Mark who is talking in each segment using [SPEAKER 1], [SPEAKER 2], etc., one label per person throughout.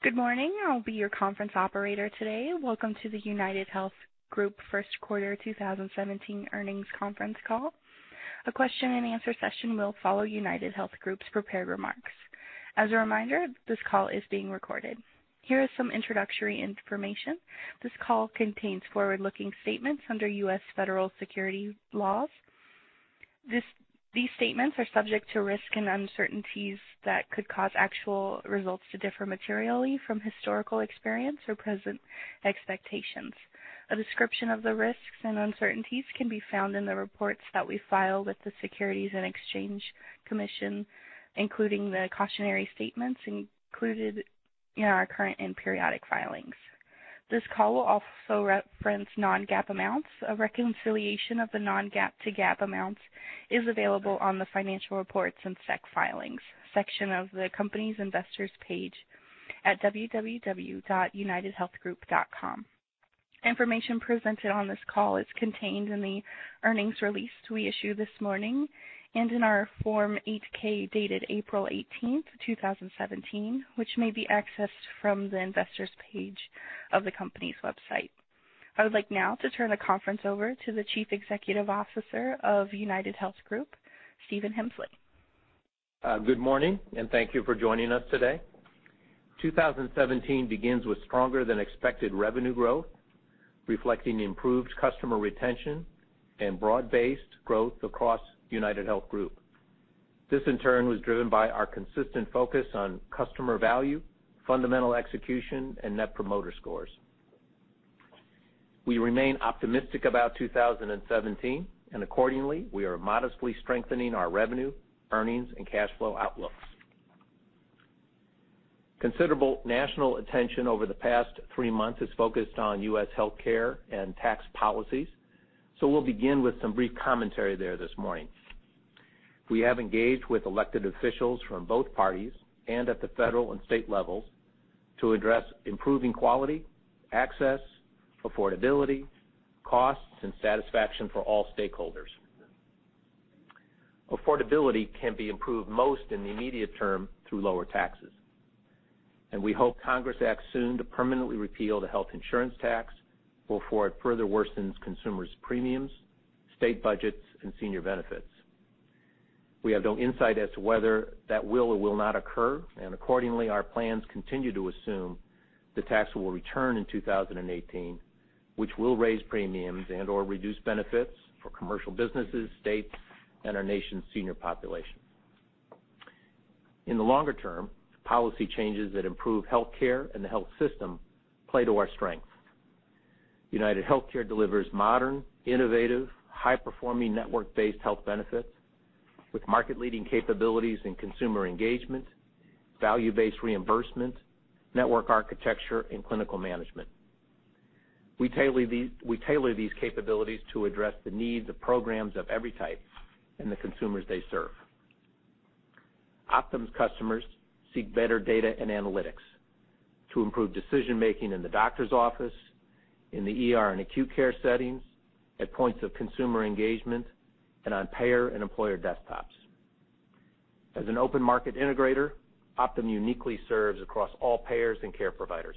[SPEAKER 1] Good morning. I'll be your conference operator today. Welcome to the UnitedHealth Group First Quarter 2017 Earnings Conference Call. A question and answer session will follow UnitedHealth Group's prepared remarks. As a reminder, this call is being recorded. Here is some introductory information. This call contains forward-looking statements under U.S. federal securities laws. These statements are subject to risks and uncertainties that could cause actual results to differ materially from historical experience or present expectations. A description of the risks and uncertainties can be found in the reports that we file with the Securities and Exchange Commission, including the cautionary statements included in our current and periodic filings. This call will also reference non-GAAP amounts. A reconciliation of the non-GAAP to GAAP amounts is available on the financial reports and SEC filings section of the company's investors page at www.unitedhealthgroup.com. Information presented on this call is contained in the earnings release we issued this morning and in our Form 8-K, dated April 18th, 2017, which may be accessed from the investors page of the company's website. I would like now to turn the conference over to the Chief Executive Officer of UnitedHealth Group, Stephen Hemsley.
[SPEAKER 2] Good morning, thank you for joining us today. 2017 begins with stronger than expected revenue growth, reflecting improved customer retention and broad-based growth across UnitedHealth Group. This, in turn, was driven by our consistent focus on customer value, fundamental execution, and net promoter scores. We remain optimistic about 2017. Accordingly, we are modestly strengthening our revenue, earnings, and cash flow outlooks. Considerable national attention over the past three months has focused on U.S. healthcare and tax policies. We'll begin with some brief commentary there this morning. We have engaged with elected officials from both parties and at the federal and state levels to address improving quality, access, affordability, costs, and satisfaction for all stakeholders. Affordability can be improved most in the immediate term through lower taxes. We hope Congress acts soon to permanently repeal the Health Insurance Tax before it further worsens consumers' premiums, state budgets, and senior benefits. We have no insight as to whether that will or will not occur. Accordingly, our plans continue to assume the tax will return in 2018, which will raise premiums and/or reduce benefits for commercial businesses, states, and our nation's senior population. In the longer term, policy changes that improve healthcare and the health system play to our strength. UnitedHealthcare delivers modern, innovative, high-performing, network-based health benefits with market-leading capabilities in consumer engagement, value-based reimbursement, network architecture, and clinical management. We tailor these capabilities to address the needs of programs of every type and the consumers they serve. Optum's customers seek better data and analytics to improve decision-making in the doctor's office, in the ER and acute care settings, at points of consumer engagement, and on payer and employer desktops. As an open market integrator, Optum uniquely serves across all payers and care providers.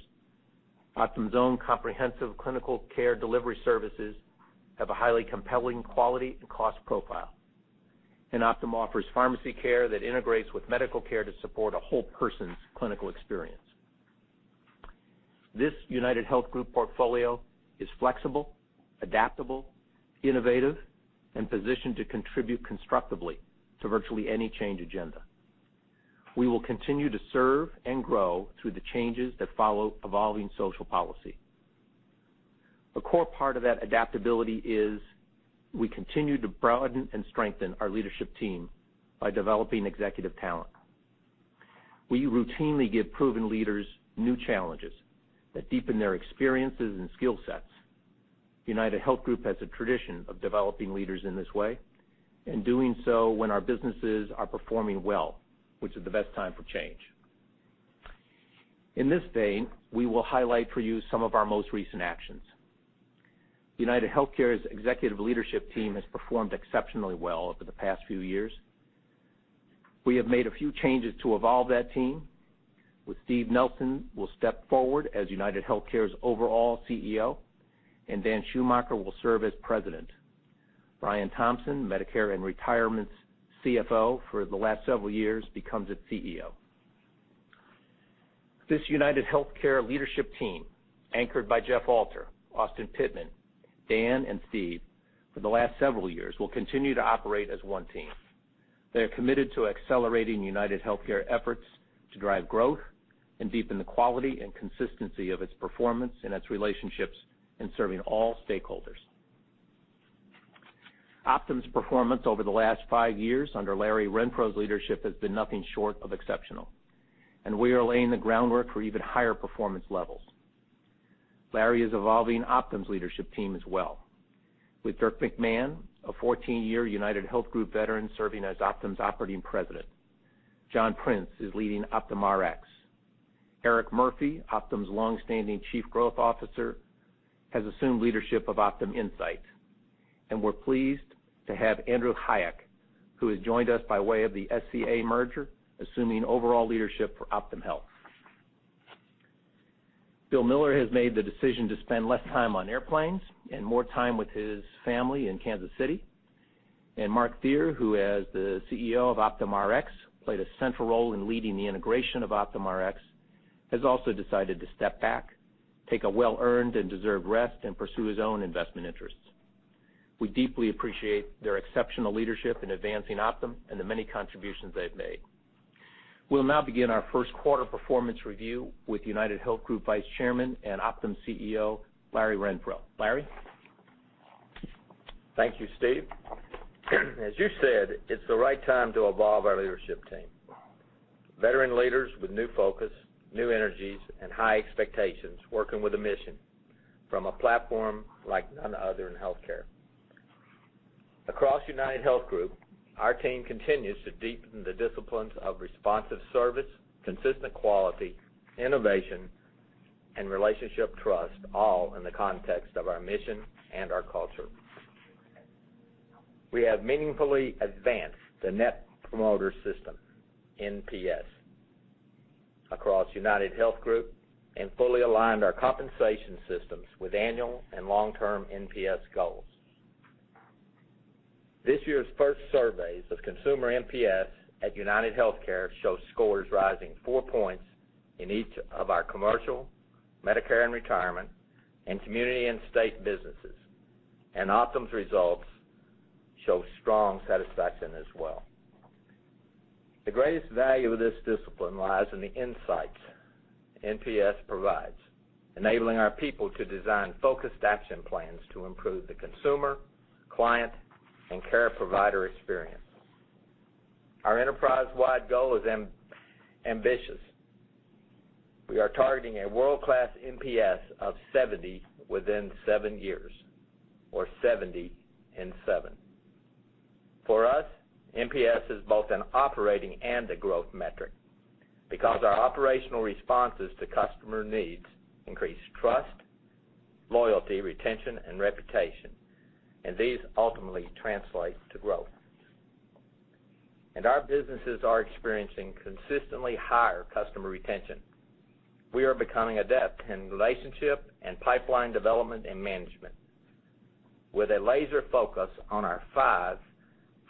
[SPEAKER 2] Optum's own comprehensive clinical care delivery services have a highly compelling quality and cost profile. Optum offers pharmacy care that integrates with medical care to support a whole person's clinical experience. This UnitedHealth Group portfolio is flexible, adaptable, innovative, and positioned to contribute constructively to virtually any change agenda. We will continue to serve and grow through the changes that follow evolving social policy. A core part of that adaptability is we continue to broaden and strengthen our leadership team by developing executive talent. We routinely give proven leaders new challenges that deepen their experiences and skill sets. UnitedHealth Group has a tradition of developing leaders in this way and doing so when our businesses are performing well, which is the best time for change. In this vein, we will highlight for you some of our most recent actions. UnitedHealthcare's executive leadership team has performed exceptionally well over the past few years. We have made a few changes to evolve that team. Steve Nelson will step forward as UnitedHealthcare's overall CEO, and Dan Schumacher will serve as president. Brian Thompson, Medicare & Retirement's CFO for the last several years, becomes its CEO. This UnitedHealthcare leadership team, anchored by Jeff Alter, Austin Pittman, Dan, and Steve for the last several years, will continue to operate as one team. They're committed to accelerating UnitedHealthcare efforts to drive growth and deepen the quality and consistency of its performance and its relationships in serving all stakeholders. Optum's performance over the last five years under Larry Renfro's leadership has been nothing short of exceptional, we are laying the groundwork for even higher performance levels. Larry is evolving Optum's leadership team as well. Dirk McMahon, a 14-year UnitedHealth Group veteran, serving as Optum's operating president. John Prince is leading OptumRx. Eric Murphy, Optum's longstanding chief growth officer, has assumed leadership of OptumInsight. We're pleased to have Andrew Hayek, who has joined us by way of the SCA merger, assuming overall leadership for OptumHealth. Bill Miller has made the decision to spend less time on airplanes and more time with his family in Kansas City. Mark Thierer, who as the CEO of OptumRx, played a central role in leading the integration of OptumRx, has also decided to step back, take a well-earned and deserved rest, and pursue his own investment interests. We deeply appreciate their exceptional leadership in advancing Optum and the many contributions they've made. We'll now begin our first quarter performance review with UnitedHealth Group Vice Chairman and Optum CEO, Larry Renfro. Larry?
[SPEAKER 3] Thank you, Steve. As you said, it's the right time to evolve our leadership team. Veteran leaders with new focus, new energies, and high expectations, working with a mission from a platform like none other in healthcare. Across UnitedHealth Group, our team continues to deepen the disciplines of responsive service, consistent quality, innovation, and relationship trust, all in the context of our mission and our culture. We have meaningfully advanced the Net Promoter Score, NPS, across UnitedHealth Group and fully aligned our compensation systems with annual and long-term NPS goals. This year's first surveys of consumer NPS at UnitedHealthcare show scores rising four points in each of our commercial, Medicare & Retirement, and community and state businesses. Optum's results show strong satisfaction as well. The greatest value of this discipline lies in the insights NPS provides, enabling our people to design focused action plans to improve the consumer, client, and care provider experience. Our enterprise-wide goal is ambitious. We are targeting a world-class NPS of 70 within seven years, or 70 in seven. For us, NPS is both an operating and a growth metric because our operational responses to customer needs increase trust, loyalty, retention, and reputation, and these ultimately translate to growth. Our businesses are experiencing consistently higher customer retention. We are becoming adept in relationship and pipeline development and management with a laser focus on our five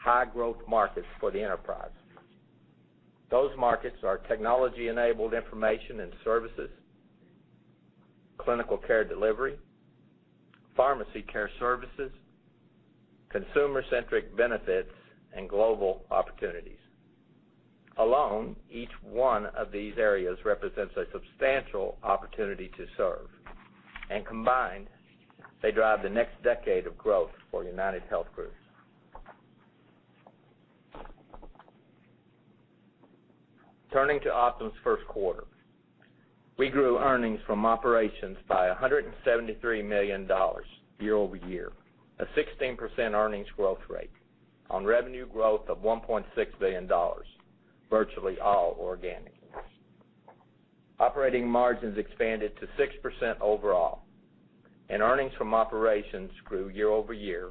[SPEAKER 3] high-growth markets for the enterprise. Those markets are technology-enabled information and services, clinical care delivery, pharmacy care services, consumer-centric benefits, and global opportunities. Alone, each one of these areas represents a substantial opportunity to serve. Combined, they drive the next decade of growth for UnitedHealth Group. Turning to Optum's first quarter. We grew earnings from operations by $173 million year-over-year, a 16% earnings growth rate on revenue growth of $1.6 billion, virtually all organic. Operating margins expanded to 6% overall, and earnings from operations grew year-over-year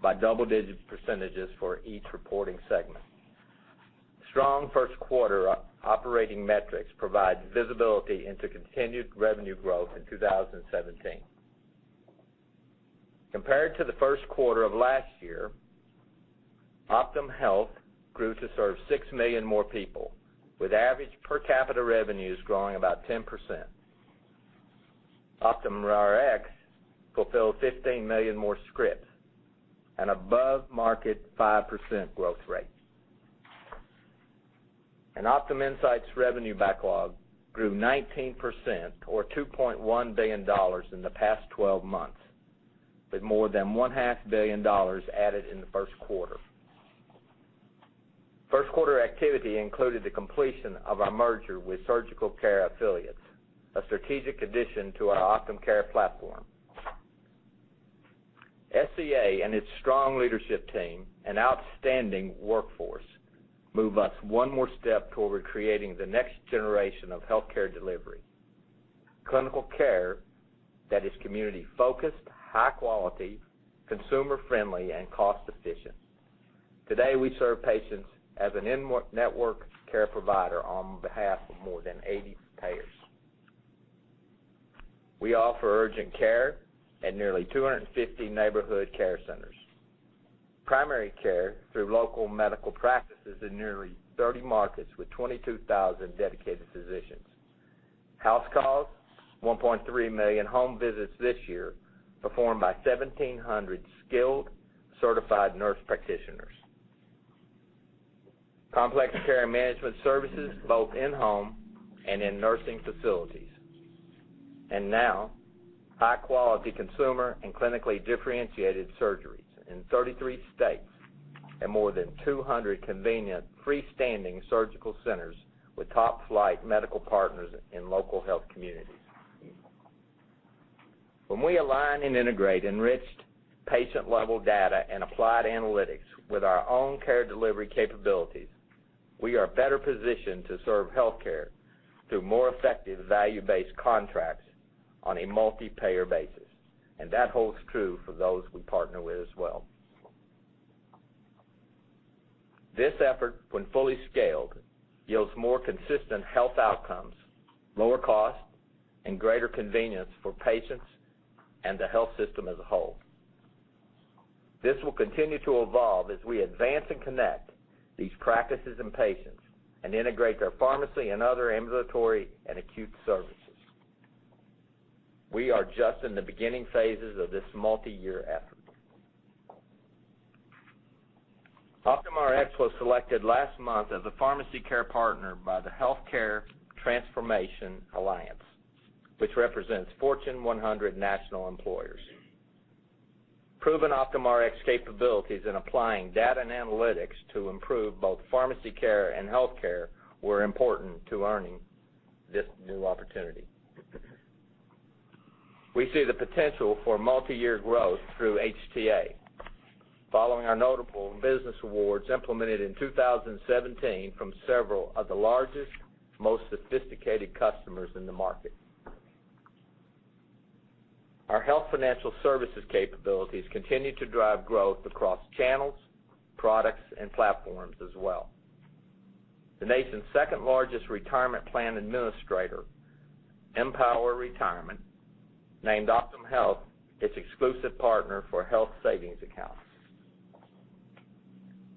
[SPEAKER 3] by double-digit percentages for each reporting segment. Strong first quarter operating metrics provide visibility into continued revenue growth in 2017. Compared to the first quarter of last year, OptumHealth grew to serve six million more people, with average per capita revenues growing about 10%. OptumRx fulfilled 15 million more scripts, an above-market 5% growth rate. OptumInsight revenue backlog grew 19%, or $2.1 billion in the past 12 months, with more than one-half billion dollars added in the first quarter. First quarter activity included the completion of our merger with Surgical Care Affiliates, a strategic addition to our Optum Care platform. SCA and its strong leadership team and outstanding workforce move us one more step toward creating the next generation of healthcare delivery. Clinical care that is community-focused, high quality, consumer-friendly, and cost-efficient. Today, we serve patients as an in-network care provider on behalf of more than 80 payers. We offer urgent care at nearly 250 neighborhood care centers. Primary care through local medical practices in nearly 30 markets with 22,000 dedicated physicians. House calls, 1.3 million home visits this year performed by 1,700 skilled certified nurse practitioners. Complex care management services both in-home and in nursing facilities. Now high-quality consumer and clinically differentiated surgeries in 33 states and more than 200 convenient freestanding surgical centers with top-flight medical partners in local health communities. When we align and integrate enriched patient-level data and applied analytics with our own care delivery capabilities, we are better positioned to serve healthcare through more effective value-based contracts on a multi-payer basis, and that holds true for those we partner with as well. This effort, when fully scaled, yields more consistent health outcomes, lower cost, and greater convenience for patients and the health system as a whole. This will continue to evolve as we advance and connect these practices and patients and integrate their pharmacy and other ambulatory and acute services. We are just in the beginning phases of this multi-year effort. Optum Rx was selected last month as a pharmacy care partner by the Health Transformation Alliance, which represents Fortune 100 national employers. Proven Optum Rx capabilities in applying data and analytics to improve both pharmacy care and healthcare were important to earning this new opportunity. We see the potential for multi-year growth through HTA following our notable business awards implemented in 2017 from several of the largest, most sophisticated customers in the market. Our health financial services capabilities continue to drive growth across channels, products, and platforms as well. The nation's second-largest retirement plan administrator, Empower Retirement, named OptumHealth its exclusive partner for health savings accounts.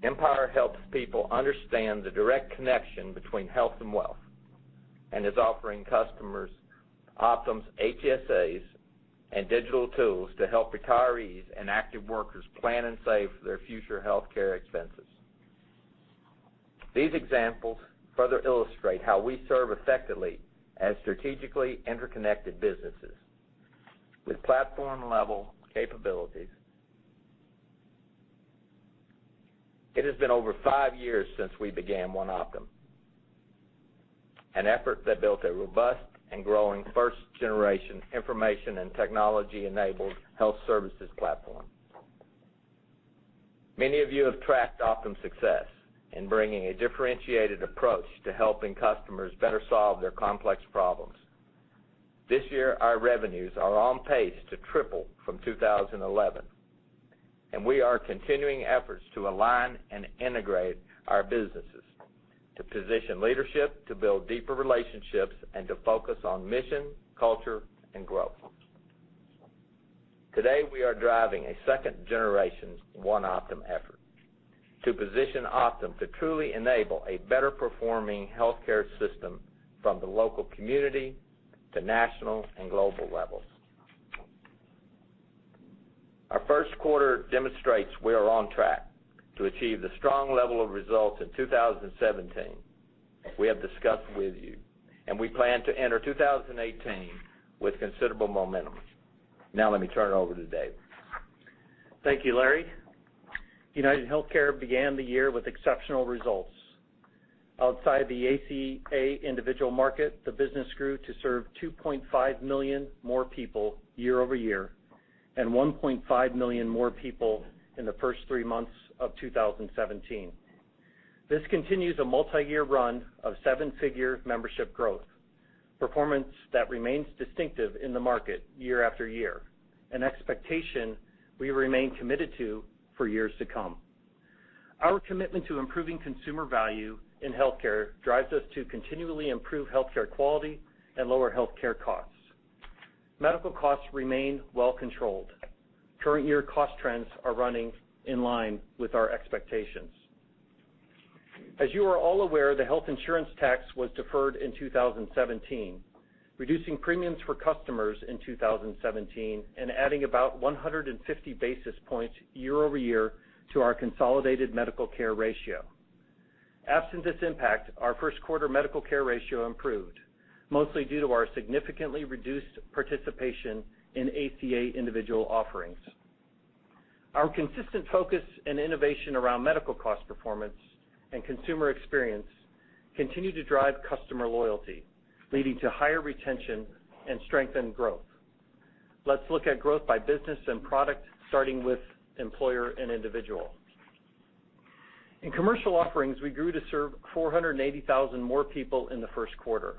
[SPEAKER 3] Empower helps people understand the direct connection between health and wealth and is offering customers Optum's HSAs and digital tools to help retirees and active workers plan and save for their future healthcare expenses. These examples further illustrate how we serve effectively as strategically interconnected businesses with platform-level capabilities. It has been over five years since we began One Optum, an effort that built a robust and growing first-generation information and technology-enabled health services platform. Many of you have tracked Optum's success in bringing a differentiated approach to helping customers better solve their complex problems. This year, our revenues are on pace to triple from 2011, and we are continuing efforts to align and integrate our businesses, to position leadership, to build deeper relationships, and to focus on mission, culture, and growth. Today, we are driving a second-generation One Optum effort to position Optum to truly enable a better-performing healthcare system from the local community to national and global levels. Our first quarter demonstrates we are on track to achieve the strong level of results in 2017 we have discussed with you, and we plan to enter 2018 with considerable momentum. Let me turn it over to Dave.
[SPEAKER 4] Thank you, Larry. UnitedHealthcare began the year with exceptional results. Outside the ACA individual market, the business grew to serve 2.5 million more people year-over-year and 1.5 million more people in the first three months of 2017. This continues a multi-year run of seven-figure membership growth, performance that remains distinctive in the market year after year, an expectation we remain committed to for years to come. Our commitment to improving consumer value in healthcare drives us to continually improve healthcare quality and lower healthcare costs. Medical costs remain well controlled. Current year cost trends are running in line with our expectations. As you are all aware, the Health Insurance Tax was deferred in 2017, reducing premiums for customers in 2017 and adding about 150 basis points year-over-year to our consolidated Medical Care Ratio. Absent this impact, our first quarter Medical Care Ratio improved, mostly due to our significantly reduced participation in ACA individual offerings. Our consistent focus and innovation around medical cost performance and consumer experience continue to drive customer loyalty, leading to higher retention and strengthened growth. Let's look at growth by business and product, starting with employer and individual. In commercial offerings, we grew to serve 480,000 more people in the first quarter,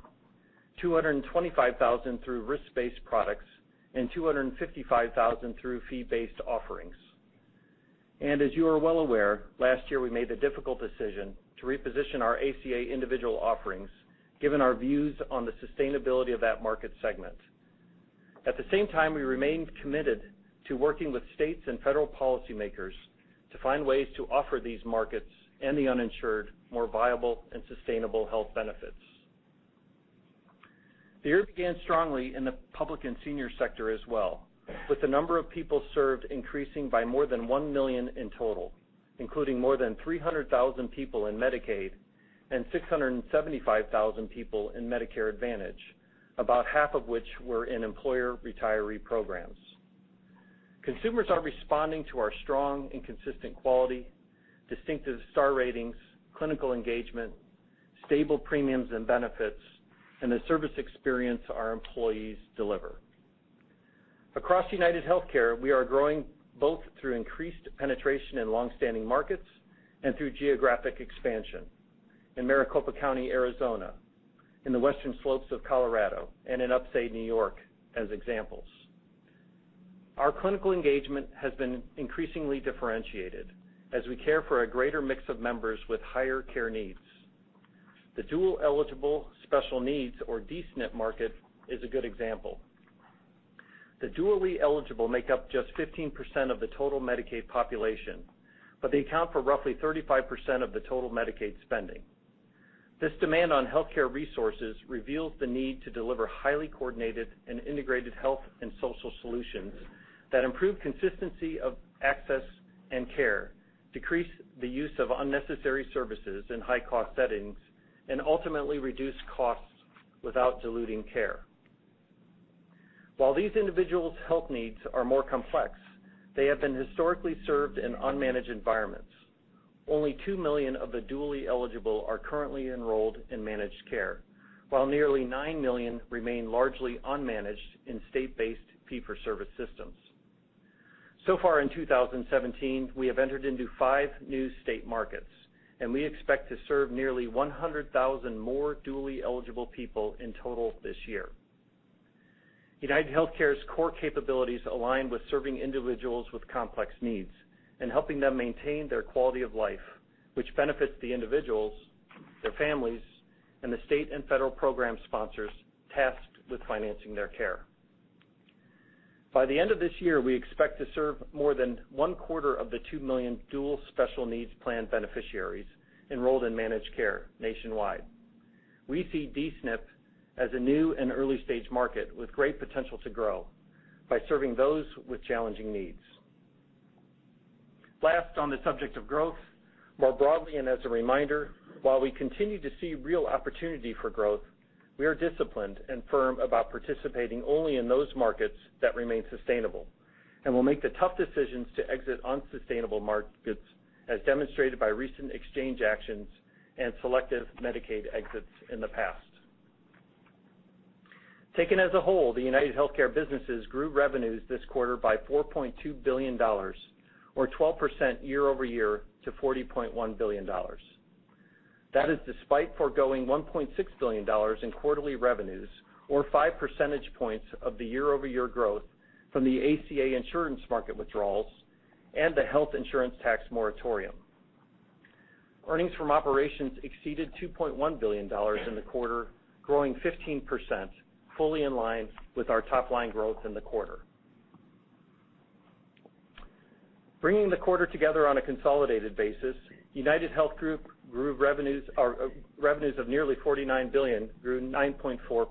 [SPEAKER 4] 225,000 through risk-based products and 255,000 through fee-based offerings. As you are well aware, last year, we made the difficult decision to reposition our ACA individual offerings, given our views on the sustainability of that market segment. At the same time, we remain committed to working with states and federal policymakers to find ways to offer these markets and the uninsured more viable and sustainable health benefits. The year began strongly in the public and senior sector as well, with the number of people served increasing by more than 1 million in total, including more than 300,000 people in Medicaid and 675,000 people in Medicare Advantage, about half of which were in employer retiree programs. Consumers are responding to our strong and consistent quality, distinctive star ratings, clinical engagement, stable premiums and benefits, and the service experience our employees deliver. Across UnitedHealthcare, we are growing both through increased penetration in longstanding markets and through geographic expansion in Maricopa County, Arizona, in the western slopes of Colorado, and in Upstate New York as examples. Our clinical engagement has been increasingly differentiated as we care for a greater mix of members with higher care needs. The dual-eligible special needs, or D-SNP market, is a good example. The dually eligible make up just 15% of the total Medicaid population, but they account for roughly 35% of the total Medicaid spending. This demand on healthcare resources reveals the need to deliver highly coordinated and integrated health and social solutions that improve consistency of access and care, decrease the use of unnecessary services in high-cost settings, and ultimately reduce costs without diluting care. While these individuals' health needs are more complex, they have been historically served in unmanaged environments. Only 2 million of the dually eligible are currently enrolled in managed care, while nearly 9 million remain largely unmanaged in state-based fee-for-service systems. So far in 2017, we have entered into five new state markets, and we expect to serve nearly 100,000 more dually eligible people in total this year. UnitedHealthcare's core capabilities align with serving individuals with complex needs and helping them maintain their quality of life, which benefits the individuals, their families, and the state and federal program sponsors tasked with financing their care. By the end of this year, we expect to serve more than one-quarter of the 2 million dual special needs plan beneficiaries enrolled in managed care nationwide. We see D-SNP as a new and early-stage market with great potential to grow by serving those with challenging needs. Last, on the subject of growth, more broadly and as a reminder, while we continue to see real opportunity for growth, we are disciplined and firm about participating only in those markets that remain sustainable and will make the tough decisions to exit unsustainable markets, as demonstrated by recent exchange actions and selective Medicaid exits in the past. Taken as a whole, the UnitedHealthcare businesses grew revenues this quarter by $4.2 billion, or 12% year-over-year to $40.1 billion. That is despite foregoing $1.6 billion in quarterly revenues or five percentage points of the year-over-year growth from the ACA insurance market withdrawals and the Health Insurance Tax moratorium. Earnings from operations exceeded $2.1 billion in the quarter, growing 15%, fully in line with our top-line growth in the quarter. Bringing the quarter together on a consolidated basis, UnitedHealth Group grew revenues of nearly $49 billion, grew 9.4%.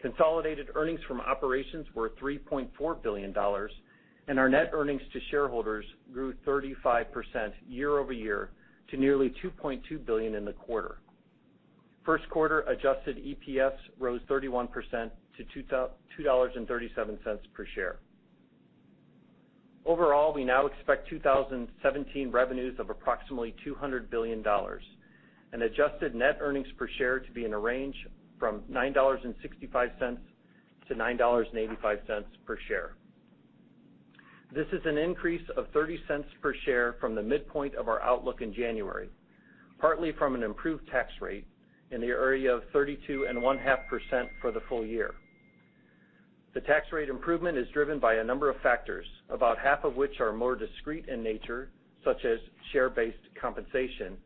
[SPEAKER 4] Consolidated earnings from operations were $3.4 billion, and our net earnings to shareholders grew 35% year-over-year to nearly $2.2 billion in the quarter. First quarter adjusted EPS rose 31% to $2.37 per share. Overall, we now expect 2017 revenues of approximately $200 billion and adjusted net earnings per share to be in a range from $9.65 to $9.85 per share. This is an increase of $0.30 per share from the midpoint of our outlook in January, partly from an improved tax rate in the area of 32.5% for the full year. The tax rate improvement is driven by a number of factors, about half of which are more discrete in nature, such as share-based compensation,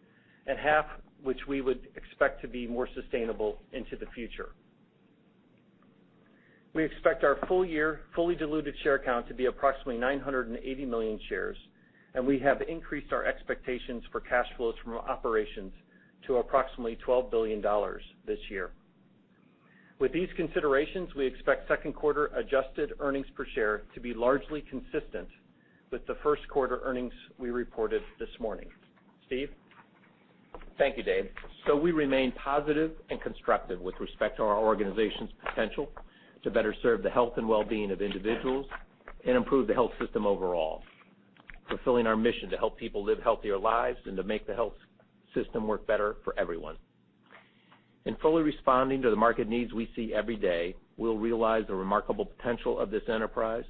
[SPEAKER 4] and half which we would expect to be more sustainable into the future. We expect our full year fully diluted share count to be approximately 980 million shares, and we have increased our expectations for cash flows from operations to approximately $12 billion this year. With these considerations, we expect second quarter adjusted earnings per share to be largely consistent with the first quarter earnings we reported this morning. Steve?
[SPEAKER 2] Thank you, Dave. We remain positive and constructive with respect to our organization's potential to better serve the health and well-being of individuals and improve the health system overall, fulfilling our mission to help people live healthier lives and to make the health system work better for everyone. In fully responding to the market needs we see every day, we'll realize the remarkable potential of this enterprise.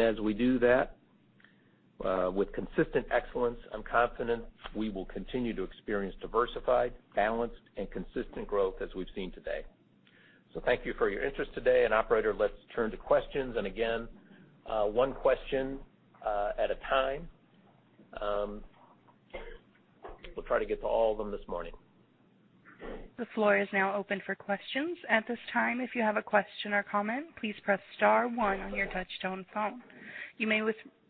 [SPEAKER 2] As we do that with consistent excellence, I'm confident we will continue to experience diversified, balanced, and consistent growth as we've seen today. Thank you for your interest today, and operator, let's turn to questions. Again, one question at a time. We'll try to get to all of them this morning.
[SPEAKER 1] The floor is now open for questions. At this time, if you have a question or comment, please press star one on your touch-tone phone. You may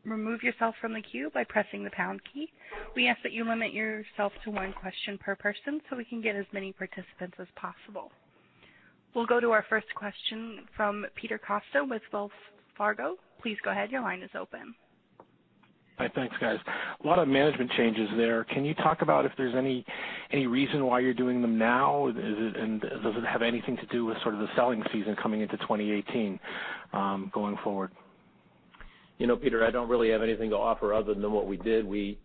[SPEAKER 1] remove yourself from the queue by pressing the pound key. We ask that you limit yourself to one question per person so we can get as many participants as possible. We'll go to our first question from Peter Costa with Wells Fargo. Please go ahead, your line is open.
[SPEAKER 5] Hi. Thanks, guys. A lot of management changes there. Can you talk about if there's any reason why you're doing them now? Does it have anything to do with sort of the selling season coming into 2018 going forward?
[SPEAKER 2] Peter, I don't really have anything to offer other than what we did. We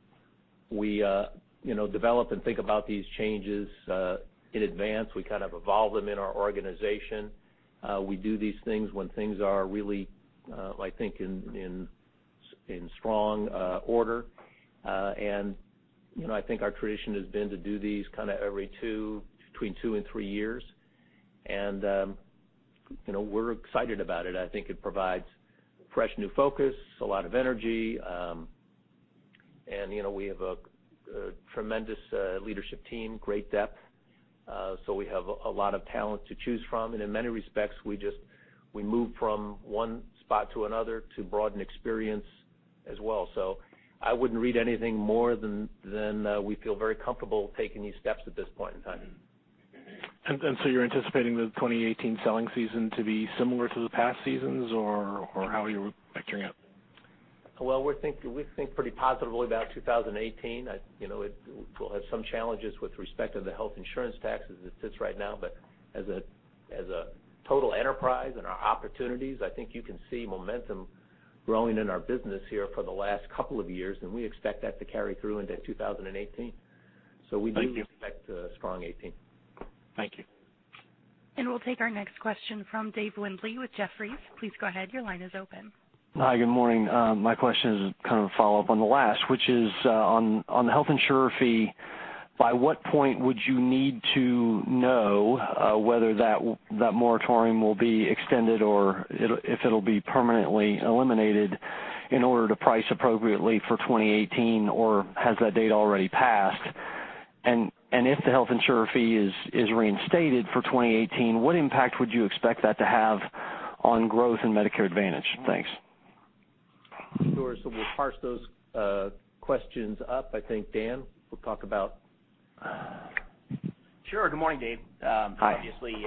[SPEAKER 2] develop and think about these changes in advance. We evolve them in our organization. We do these things when things are really, I think, in strong order. I think our tradition has been to do these every between two and three years. We're excited about it. I think it provides fresh, new focus, a lot of energy. We have a tremendous leadership team, great depth. We have a lot of talent to choose from, and in many respects, we move from one spot to another to broaden experience as well. I wouldn't read anything more than we feel very comfortable taking these steps at this point in time.
[SPEAKER 5] You're anticipating the 2018 selling season to be similar to the past seasons or how are you factoring it?
[SPEAKER 2] Well, we think pretty positively about 2018. We'll have some challenges with respect to the Health Insurance Tax as it sits right now. As a total enterprise and our opportunities, I think you can see momentum growing in our business here for the last couple of years, and we expect that to carry through into 2018.
[SPEAKER 5] Thank you.
[SPEAKER 2] We do expect a strong 2018.
[SPEAKER 5] Thank you.
[SPEAKER 1] We'll take our next question from Dave Windley with Jefferies. Please go ahead. Your line is open.
[SPEAKER 6] Hi, good morning. My question is kind of a follow-up on the last, which is on the Health Insurance Tax, by what point would you need to know whether that moratorium will be extended or if it'll be permanently eliminated in order to price appropriately for 2018? Or has that date already passed? If the Health Insurance Tax is reinstated for 2018, what impact would you expect that to have on growth in Medicare Advantage? Thanks.
[SPEAKER 2] Sure. We'll parse those questions up. I think Dan will talk about
[SPEAKER 7] Sure. Good morning, Dave.
[SPEAKER 6] Hi.
[SPEAKER 7] Obviously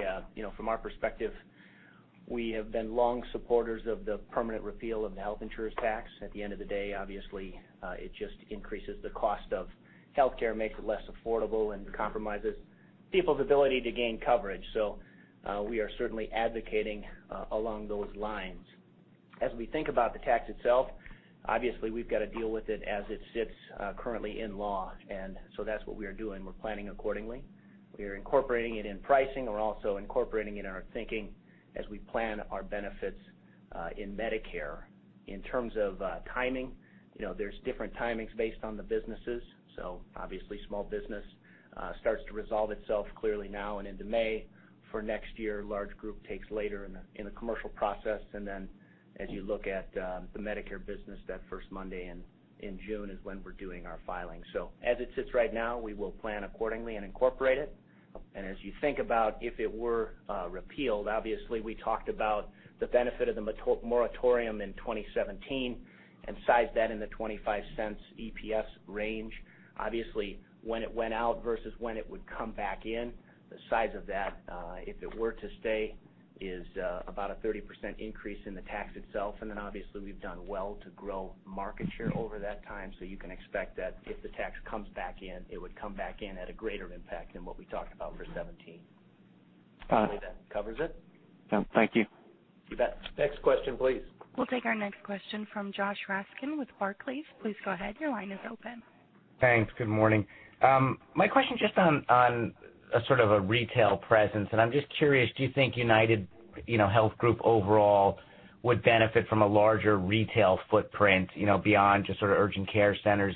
[SPEAKER 7] from our perspective, we have been long supporters of the permanent repeal of the Health Insurance Tax. At the end of the day, obviously, it just increases the cost of healthcare, makes it less affordable, and compromises people's ability to gain coverage. We are certainly advocating along those lines. As we think about the tax itself, obviously, we've got to deal with it as it sits currently in law. That's what we are doing. We're planning accordingly. We are incorporating it in pricing. We're also incorporating it in our thinking as we plan our benefits in Medicare. In terms of timing, there's different timings based on the businesses. Obviously small business starts to resolve itself clearly now and into May for next year. Large group takes later in the commercial process. As you look at the Medicare business, that first Monday in June is when we're doing our filing. As it sits right now, we will plan accordingly and incorporate it. As you think about if it were repealed, obviously we talked about the benefit of the moratorium in 2017 and sized that in the $0.25 EPS range. Obviously, when it went out versus when it would come back in, the size of that, if it were to stay, is about a 30% increase in the tax itself. Obviously we've done well to grow market share over that time. You can expect that if the tax comes back in, it would come back in at a greater impact than what we talked about for 2017. Hopefully that covers it.
[SPEAKER 6] Thank you.
[SPEAKER 7] You bet.
[SPEAKER 2] Next question, please.
[SPEAKER 1] We'll take our next question from Josh Raskin with Barclays. Please go ahead. Your line is open.
[SPEAKER 8] Thanks. Good morning. My question is just on a sort of a retail presence. I'm just curious, do you think UnitedHealth Group overall would benefit from a larger retail footprint beyond just urgent care centers?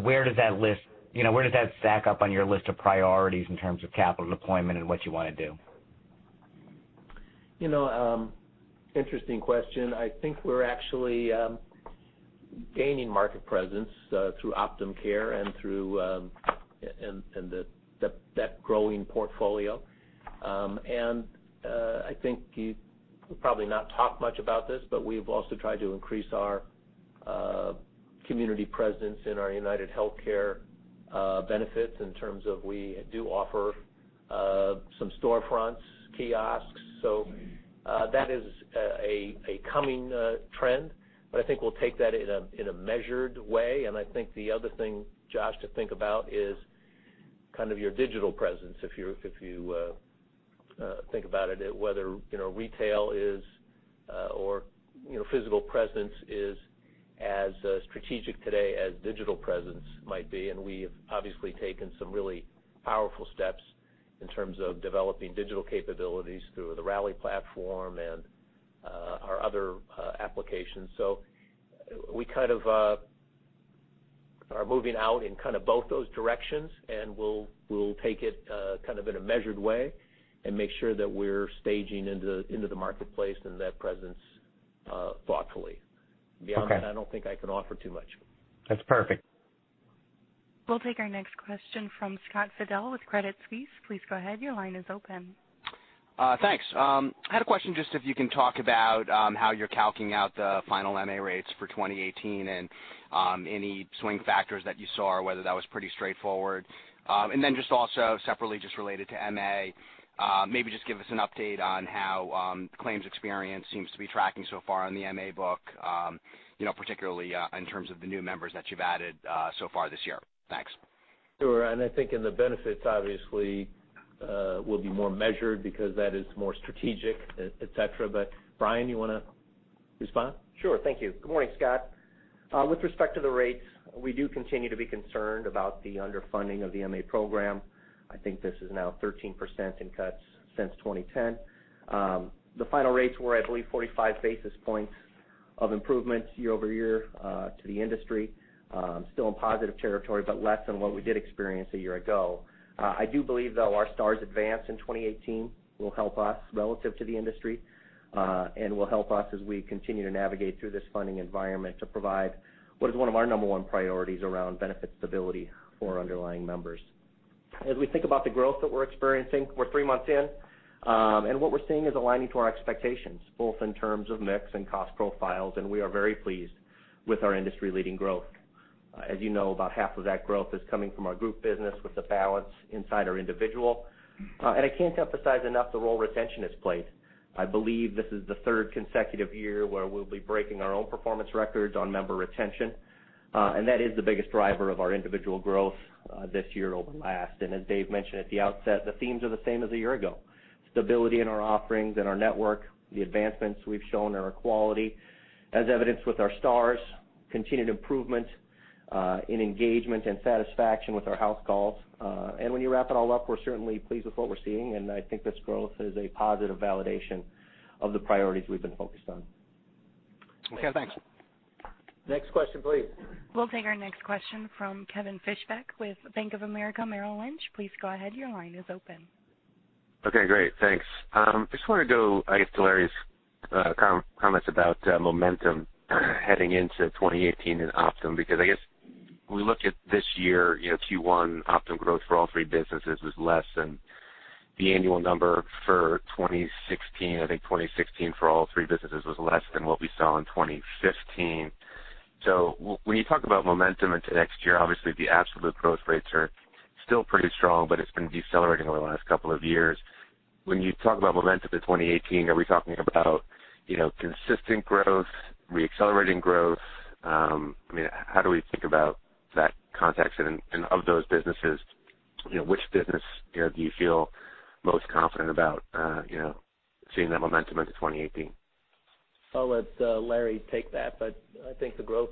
[SPEAKER 8] Where does that stack up on your list of priorities in terms of capital deployment and what you want to do?
[SPEAKER 2] Interesting question. I think we're actually gaining market presence through Optum Care and that growing portfolio. I think we've probably not talked much about this, but we've also tried to increase our community presence in our UnitedHealthcare benefits in terms of we do offer some storefronts, kiosks. That is a coming trend, but I think we'll take that in a measured way. I think the other thing, Josh, to think about is your digital presence, if you think about it, whether retail is or physical presence is as strategic today as digital presence might be. We've obviously taken some really powerful steps in terms of developing digital capabilities through the Rally platform and our other applications. We are moving out in both those directions, and we'll take it in a measured way and make sure that we're staging into the marketplace and that presence thoughtfully.
[SPEAKER 8] Okay.
[SPEAKER 2] Beyond that, I don't think I can offer too much.
[SPEAKER 8] That's perfect.
[SPEAKER 1] We'll take our next question from Scott Fidel with Credit Suisse. Please go ahead. Your line is open.
[SPEAKER 9] Thanks. I had a question just if you can talk about how you're calcing out the final MA rates for 2018 and any swing factors that you saw or whether that was pretty straightforward. Then just also separately just related to MA, maybe just give us an update on how claims experience seems to be tracking so far in the MA book particularly in terms of the new members that you've added so far this year. Thanks.
[SPEAKER 2] Sure, I think in the benefits, obviously, will be more measured because that is more strategic, et cetera. Brian, you want to respond?
[SPEAKER 10] Sure. Thank you. Good morning, Scott. With respect to the rates, we do continue to be concerned about the underfunding of the MA program. I think this is now 13% in cuts since 2010. The final rates were, I believe, 45 basis points of improvement year-over-year to the industry. Still in positive territory, but less than what we did experience a year ago. I do believe, though, our stars advance in 2018 will help us relative to the industry, and will help us as we continue to navigate through this funding environment to provide what is one of our number one priorities around benefit stability for underlying members. As we think about the growth that we're experiencing, we're three months in. What we're seeing is aligning to our expectations, both in terms of mix and cost profiles, and we are very pleased with our industry-leading growth. As you know, about half of that growth is coming from our group business with the balance inside our individual. I can't emphasize enough the role retention has played. I believe this is the third consecutive year where we'll be breaking our own performance records on member retention. That is the biggest driver of our individual growth this year over last. As Dave mentioned at the outset, the themes are the same as a year ago. Stability in our offerings and our network, the advancements we've shown in our quality, as evidenced with our stars, continued improvement in engagement and satisfaction with our house calls. When you wrap it all up, we're certainly pleased with what we're seeing, and I think this growth is a positive validation of the priorities we've been focused on.
[SPEAKER 2] Okay, thanks. Next question, please.
[SPEAKER 1] We'll take our next question from Kevin Fischbeck with Bank of America Merrill Lynch. Please go ahead, your line is open.
[SPEAKER 11] Okay, great. Thanks. Just want to go, I guess, to Larry's comments about momentum heading into 2018 in Optum, because I guess when we look at this year, Q1 Optum growth for all three businesses was less than the annual number for 2016. When you talk about momentum into next year, obviously the absolute growth rates are still pretty strong, but it's been decelerating over the last couple of years. When you talk about momentum to 2018, are we talking about consistent growth, re-accelerating growth? How do we think about that context? Of those businesses, which business do you feel most confident about seeing that momentum into 2018?
[SPEAKER 2] I'll let Larry take that, I think the growth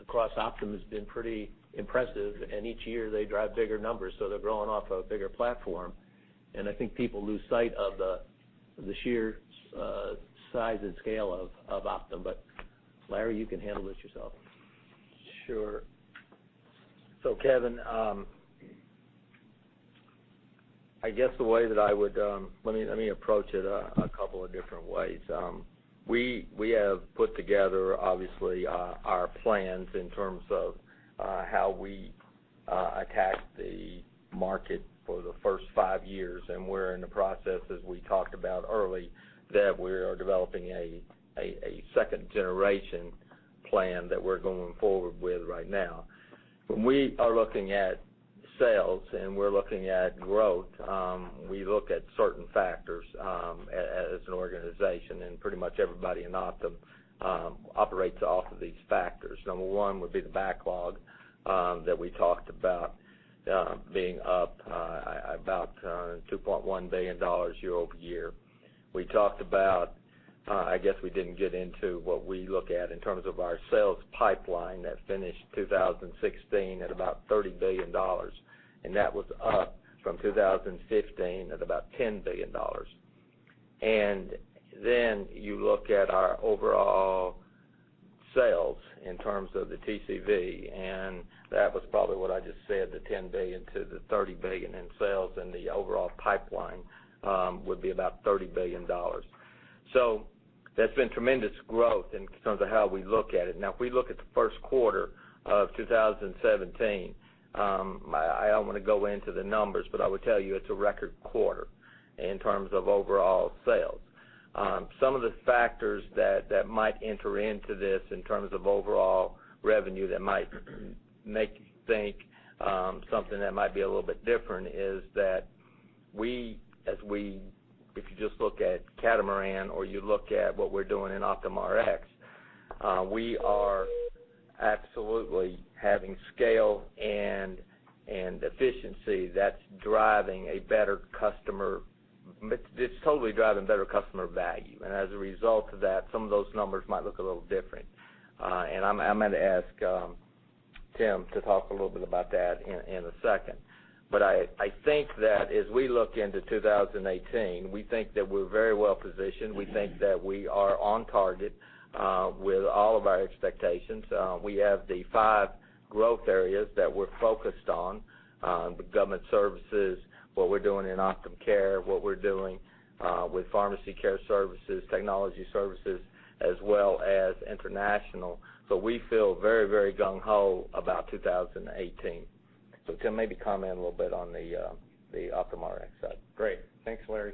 [SPEAKER 2] across Optum has been pretty impressive, and each year they drive bigger numbers, so they're growing off a bigger platform. I think people lose sight of the sheer size and scale of Optum. Larry, you can handle this yourself.
[SPEAKER 3] Sure. Kevin, Let me approach it a couple of different ways. We have put together, obviously, our plans in terms of how we attack the market for the first five years, we're in the process, as we talked about early, that we are developing a second generation plan that we're going forward with right now. When we are looking at sales and we're looking at growth, we look at certain factors as an organization, Pretty much everybody in Optum operates off of these factors. Number one would be the backlog that we talked about being up about $2.1 billion year-over-year. We talked about, I guess we didn't get into what we look at in terms of our sales pipeline that finished 2016 at about $30 billion, and that was up from 2015 at about $10 billion. You look at our overall sales in terms of the TCV, and that was probably what I just said, the $10 billion-$30 billion in sales and the overall pipeline would be about $30 billion. That has been tremendous growth in terms of how we look at it. If we look at the first quarter of 2017, I don't want to go into the numbers, but I would tell you it is a record quarter in terms of overall sales. Some of the factors that might enter into this in terms of overall revenue that might make you think something that might be a little bit different is that if you just look at Catamaran or you look at what we are doing in Optum Rx, we are absolutely having scale and efficiency that is driving a better customer. It is totally driving better customer value. As a result of that, some of those numbers might look a little different. I am going to ask Tim to talk a little bit about that in a second. I think that as we look into 2018, we think that we are very well positioned. We think that we are on target with all of our expectations. We have the five growth areas that we are focused on, the government services, what we are doing in Optum Care, what we are doing with pharmacy care services, technology services, as well as international. We feel very gung-ho about 2018. Tim, maybe comment a little bit on the Optum Rx side.
[SPEAKER 12] Great. Thanks, Larry.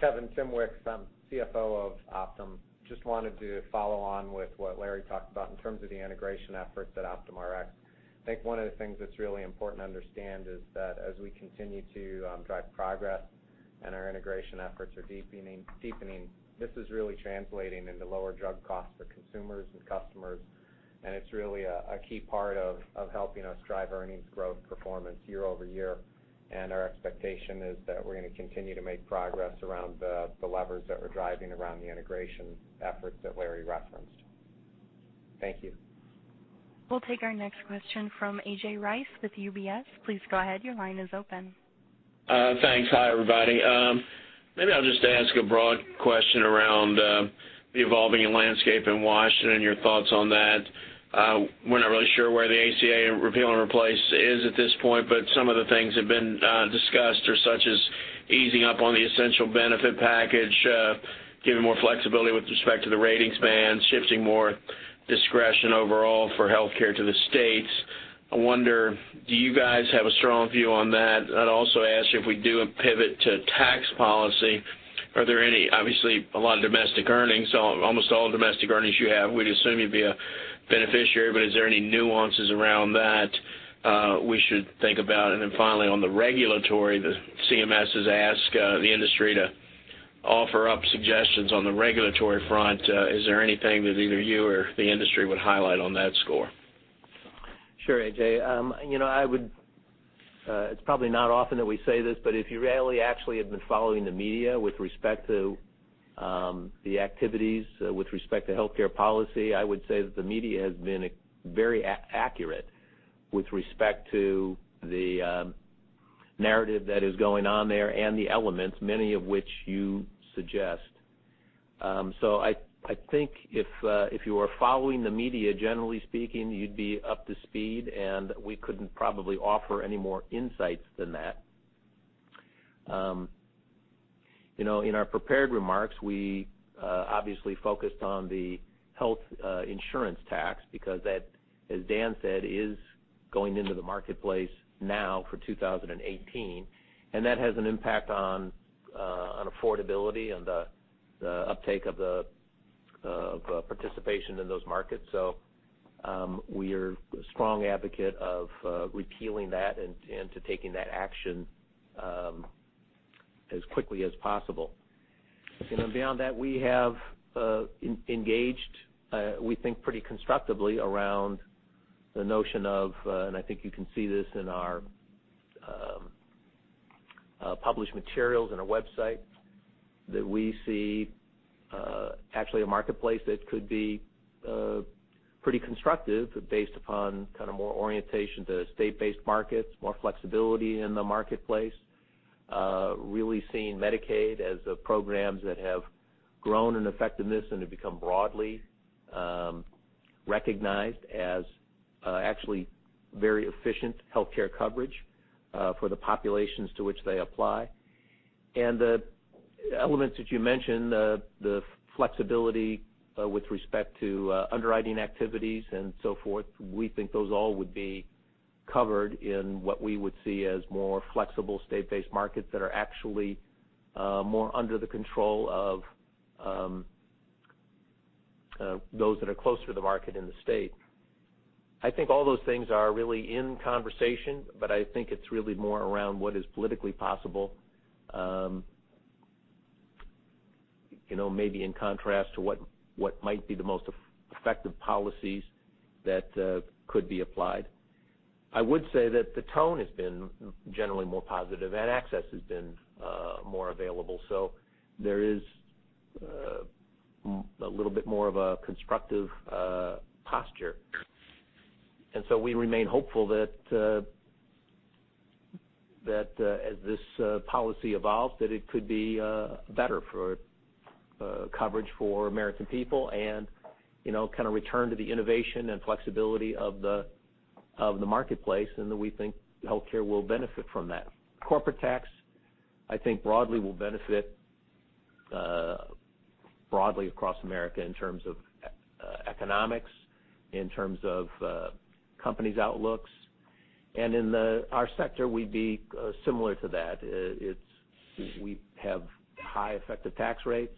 [SPEAKER 12] Kevin, Tim Wicks, I am CFO of Optum. Just wanted to follow on with what Larry talked about in terms of the integration efforts at Optum Rx. I think one of the things that is really important to understand is that as we continue to drive progress our integration efforts are deepening. This is really translating into lower drug costs for consumers and customers, and it is really a key part of helping us drive earnings growth performance year-over-year. Our expectation is that we are going to continue to make progress around the levers that we are driving around the integration efforts that Larry referenced. Thank you.
[SPEAKER 1] We will take our next question from A.J. Rice with UBS. Please go ahead. Your line is open.
[SPEAKER 13] Thanks. Hi, everybody. Maybe I'll just ask a broad question around the evolving landscape in Washington and your thoughts on that. We're not really sure where the ACA repeal and replace is at this point, but some of the things have been discussed, such as easing up on the essential benefit package, giving more flexibility with respect to the ratings bands, shifting more discretion overall for healthcare to the states. I wonder, do you guys have a strong view on that? I'd also ask you, if we do a pivot to tax policy, are there any, obviously, a lot of domestic earnings, almost all domestic earnings you have, we'd assume you'd be a beneficiary, but is there any nuances around that we should think about? Then finally, on the regulatory, CMS has asked the industry to offer up suggestions on the regulatory front. Is there anything that either you or the industry would highlight on that score?
[SPEAKER 2] Sure, A.J. It's probably not often that we say this, but if you really actually have been following the media with respect to the activities with respect to healthcare policy, I would say that the media has been very accurate with respect to the narrative that is going on there and the elements, many of which you suggest. I think if you are following the media, generally speaking, you'd be up to speed, and we couldn't probably offer any more insights than that. In our prepared remarks, we obviously focused on the Health Insurance Tax because that, as Dan said, is going into the marketplace now for 2018, and that has an impact on affordability and the uptake of participation in those markets. We are strong advocate of repealing that and to taking that action as quickly as possible.
[SPEAKER 12] Beyond that, we have engaged, we think, pretty constructively around the notion of, and I think you can see this in our published materials on our website, that we see actually a marketplace that could be pretty constructive based upon more orientation to state-based markets, more flexibility in the marketplace, really seeing Medicaid as programs that have grown in effectiveness and have become broadly recognized as actually very efficient healthcare coverage for the populations to which they apply. The elements that you mentioned, the flexibility with respect to underwriting activities and so forth, we think those all would be covered in what we would see as more flexible state-based markets that are actually more under the control of those that are closer to the market in the state. I think all those things are really in conversation, but I think it's really more around what is politically possible, maybe in contrast to what might be the most effective policies that could be applied. I would say that the tone has been generally more positive, and access has been more available. There is a little bit more of a constructive posture. We remain hopeful that as this policy evolves, that it could be better for coverage for American people and return to the innovation and flexibility of the marketplace, and that we think healthcare will benefit from that. Corporate tax, I think, broadly will benefit broadly across America in terms of economics, in terms of companies' outlooks. In our sector, we'd be similar to that. We have high effective tax rates,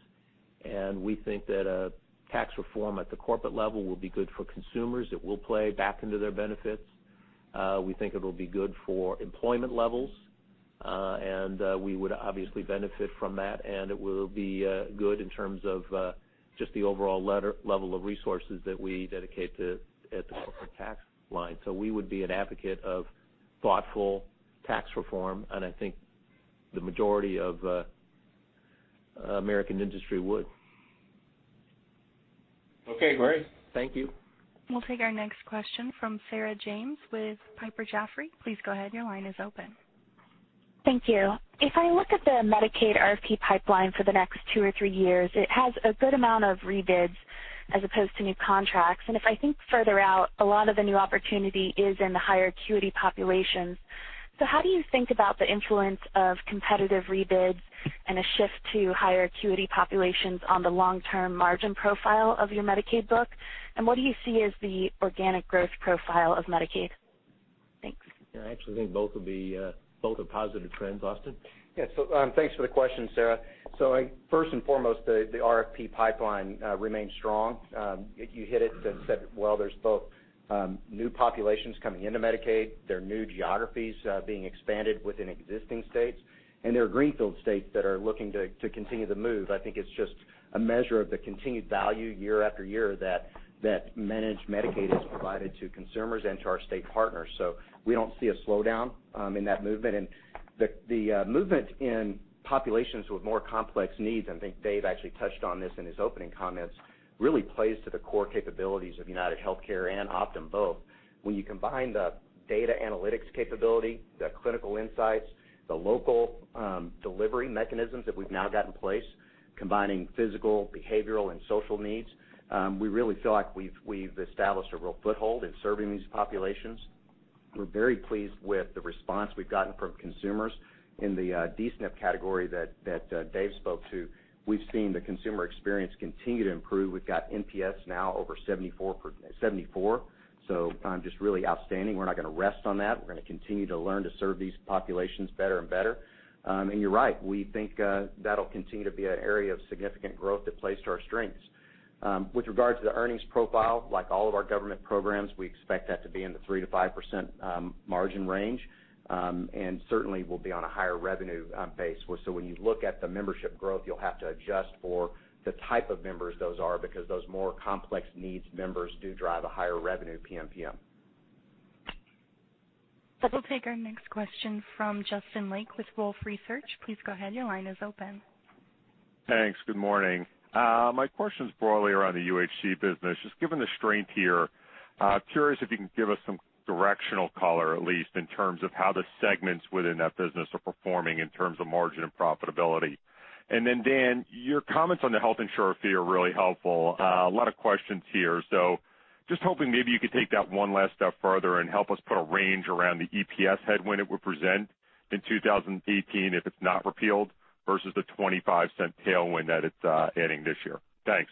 [SPEAKER 12] and we think that a tax reform at the corporate level will be good for consumers. It will play back into their benefits. We think it'll be good for employment levels, and we would obviously benefit from that, and it will be good in terms of just the overall level of resources that we dedicate at the corporate tax line. We would be an advocate of thoughtful tax reform, and I think the majority of American industry would.
[SPEAKER 13] Okay, great.
[SPEAKER 2] Thank you.
[SPEAKER 1] We'll take our next question from Sarah James with Piper Jaffray. Please go ahead. Your line is open.
[SPEAKER 14] Thank you. If I look at the Medicaid RFP pipeline for the next two or three years, it has a good amount of rebids as opposed to new contracts. If I think further out, a lot of the new opportunity is in the higher acuity populations. How do you think about the influence of competitive rebids and a shift to higher acuity populations on the long-term margin profile of your Medicaid book? What do you see as the organic growth profile of Medicaid?
[SPEAKER 7] Thanks.
[SPEAKER 2] Yeah, I actually think both are positive trends. Austin?
[SPEAKER 15] Yeah. Thanks for the question, Sarah. First and foremost, the RFP pipeline, remains strong. You hit it as you said, well, there's both new populations coming into Medicaid. There are new geographies being expanded within existing states, and there are greenfield states that are looking to continue the move. I think it's just a measure of the continued value year after year that managed Medicaid has provided to consumers and to our state partners. We don't see a slowdown in that movement. The movement in populations with more complex needs, I think Dave actually touched on this in his opening comments, really plays to the core capabilities of UnitedHealthcare and Optum both. When you combine the data analytics capability, the clinical insights, the local delivery mechanisms that we have now got in place, combining physical, behavioral, and social needs, we really feel like we have established a real foothold in serving these populations. We are very pleased with the response we have gotten from consumers in the D-SNP category that Dave spoke to. We have seen the consumer experience continue to improve. We have got NPS now over 74, just really outstanding. We are not going to rest on that. We are going to continue to learn to serve these populations better and better. You are right, we think that will continue to be an area of significant growth that plays to our strengths. With regard to the earnings profile, like all of our government programs, we expect that to be in the 3%-5% margin range, and certainly will be on a higher revenue base. When you look at the membership growth, you will have to adjust for the type of members those are, because those more complex needs members do drive a higher revenue PMPM.
[SPEAKER 1] We will take our next question from Justin Lake with Wolfe Research. Please go ahead. Your line is open.
[SPEAKER 16] Thanks. Good morning. My question is broadly around the UHC business. Just given the strength here, curious if you can give us some directional color, at least, in terms of how the segments within that business are performing in terms of margin and profitability. Then Dan, your comments on the Health Insurance Tax are really helpful. A lot of questions here. Just hoping maybe you could take that one last step further and help us put a range around the EPS headwind it would present in 2018 if it is not repealed versus the $0.25 tailwind that it is adding this year. Thanks.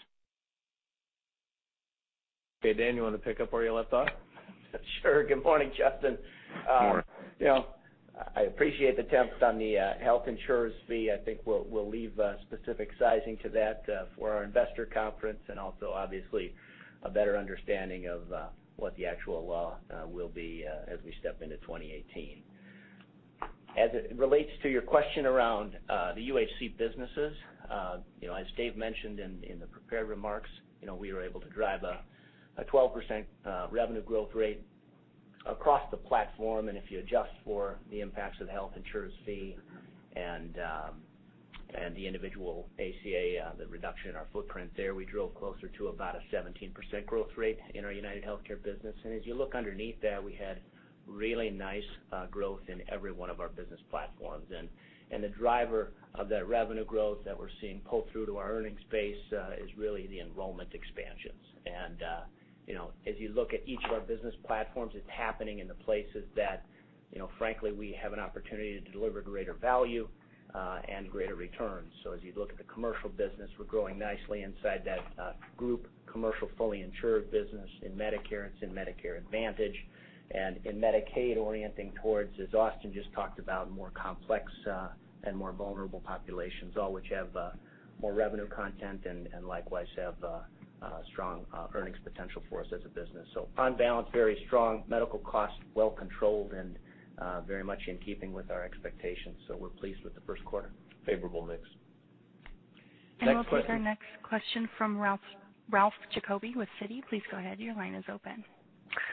[SPEAKER 2] Okay, Dan, you want to pick up where you left off?
[SPEAKER 7] Sure. Good morning, Justin.
[SPEAKER 16] Morning.
[SPEAKER 7] I appreciate the attempt on the Health Insurance Tax. I think we'll leave specific sizing to that for our investor conference and also obviously a better understanding of what the actual law will be as we step into 2018. As it relates to your question around the UHC businesses, as Dave mentioned in the prepared remarks, we were able to drive a 12% revenue growth rate across the platform, and if you adjust for the impacts of the Health Insurance Tax and the individual ACA, the reduction in our footprint there, we drove closer to about a 17% growth rate in our UnitedHealthcare business. As you look underneath that, we had really nice growth in every one of our business platforms. The driver of that revenue growth that we're seeing pull through to our earnings base is really the enrollment expansions. As you look at each of our business platforms, it's happening in the places that frankly, we have an opportunity to deliver greater value and greater returns. As you look at the commercial business, we're growing nicely inside that group, commercial fully insured business in Medicare, it's in Medicare Advantage and in Medicaid orienting towards, as Austin just talked about, more complex and more vulnerable populations, all which have more revenue content and likewise have strong earnings potential for us as a business. On balance, very strong medical cost, well controlled and very much in keeping with our expectations. We're pleased with the first quarter.
[SPEAKER 2] Favorable mix.
[SPEAKER 1] We'll take our next question from Ralph Jacoby with Citi. Please go ahead. Your line is open.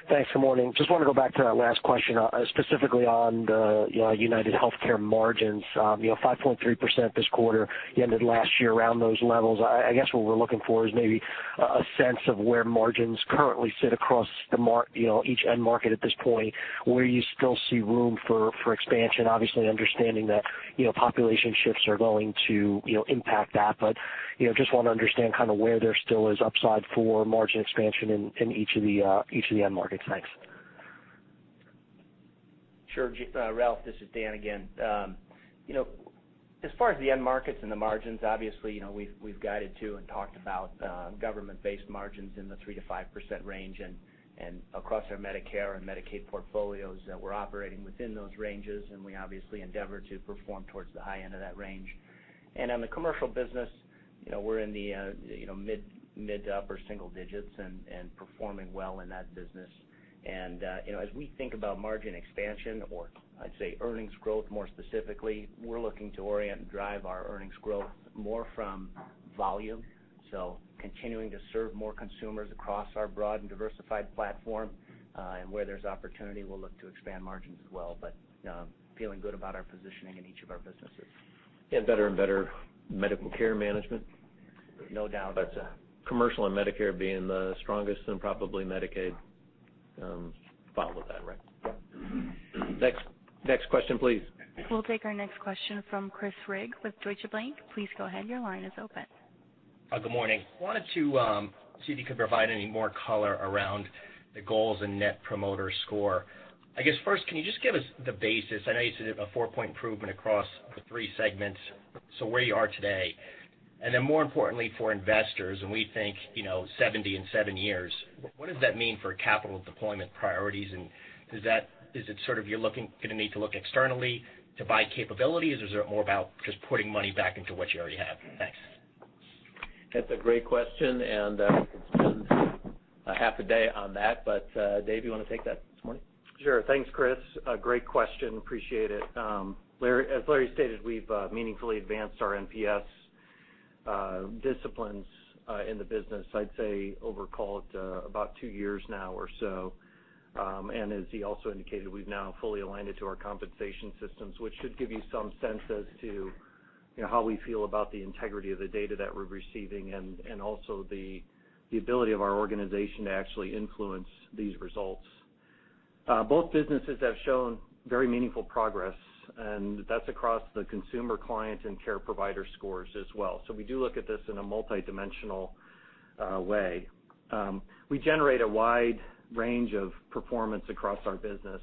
[SPEAKER 17] Thanks. Good morning. Just want to go back to that last question, specifically on the UnitedHealthcare margins. 5.3% this quarter, you ended last year around those levels. I guess what we're looking for is maybe a sense of where margins currently sit across each end market at this point, where you still see room for expansion, obviously understanding that population shifts are going to impact that. Just want to understand where there still is upside for margin expansion in each of the end markets. Thanks.
[SPEAKER 7] Sure. Ralph, this is Dan again. As far as the end markets and the margins, obviously, we've guided to and talked about government-based margins in the 3% to 5% range and across our Medicare and Medicaid portfolios that we're operating within those ranges, and we obviously endeavor to perform towards the high end of that range. On the commercial business, we're in the mid to upper single digits and performing well in that business. As we think about margin expansion, or I'd say earnings growth more specifically, we're looking to orient and drive our earnings growth more from volume. Continuing to serve more consumers across our broad and diversified platform, and where there's opportunity, we'll look to expand margins as well, but feeling good about our positioning in each of our businesses.
[SPEAKER 2] Better and better medical care management.
[SPEAKER 7] No doubt.
[SPEAKER 2] That's commercial and Medicare being the strongest and probably Medicaid follows that, right? Next question, please.
[SPEAKER 1] We'll take our next question from Chris Rigg with Deutsche Bank. Please go ahead. Your line is open.
[SPEAKER 18] Good morning. Wanted to see if you could provide any more color around the goals and Net Promoter Score. First, can you just give us the basis? I know you said a four-point improvement across the three segments. Where you are today. More importantly for investors, we think 70 in seven years, what does that mean for capital deployment priorities? Is it you're going to need to look externally to buy capabilities, or is it more about just putting money back into what you already have? Thanks.
[SPEAKER 2] That's a great question, I could spend a half a day on that. Dave, you want to take that this morning?
[SPEAKER 4] Sure. Thanks, Chris. Great question. Appreciate it. As Larry stated, we've meaningfully advanced our NPS disciplines in the business, I'd say over, call it about two years now or so. As he also indicated, we've now fully aligned it to our compensation systems, which should give you some sense as to how we feel about the integrity of the data that we're receiving and also the ability of our organization to actually influence these results. Both businesses have shown very meaningful progress, that's across the consumer, client, and care provider scores as well. We do look at this in a multidimensional way. We generate a wide range of performance across our business.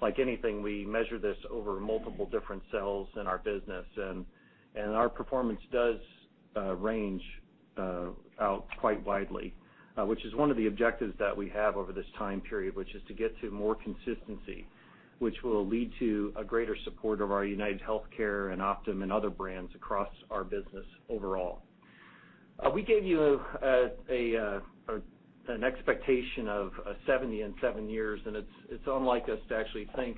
[SPEAKER 4] Like anything, we measure this over multiple different cells in our business, our performance does range out quite widely, which is one of the objectives that we have over this time period, which is to get to more consistency, which will lead to a greater support of our UnitedHealthcare and Optum and other brands across our business overall. We gave you an expectation of a 70 in seven years, it's unlike us to actually think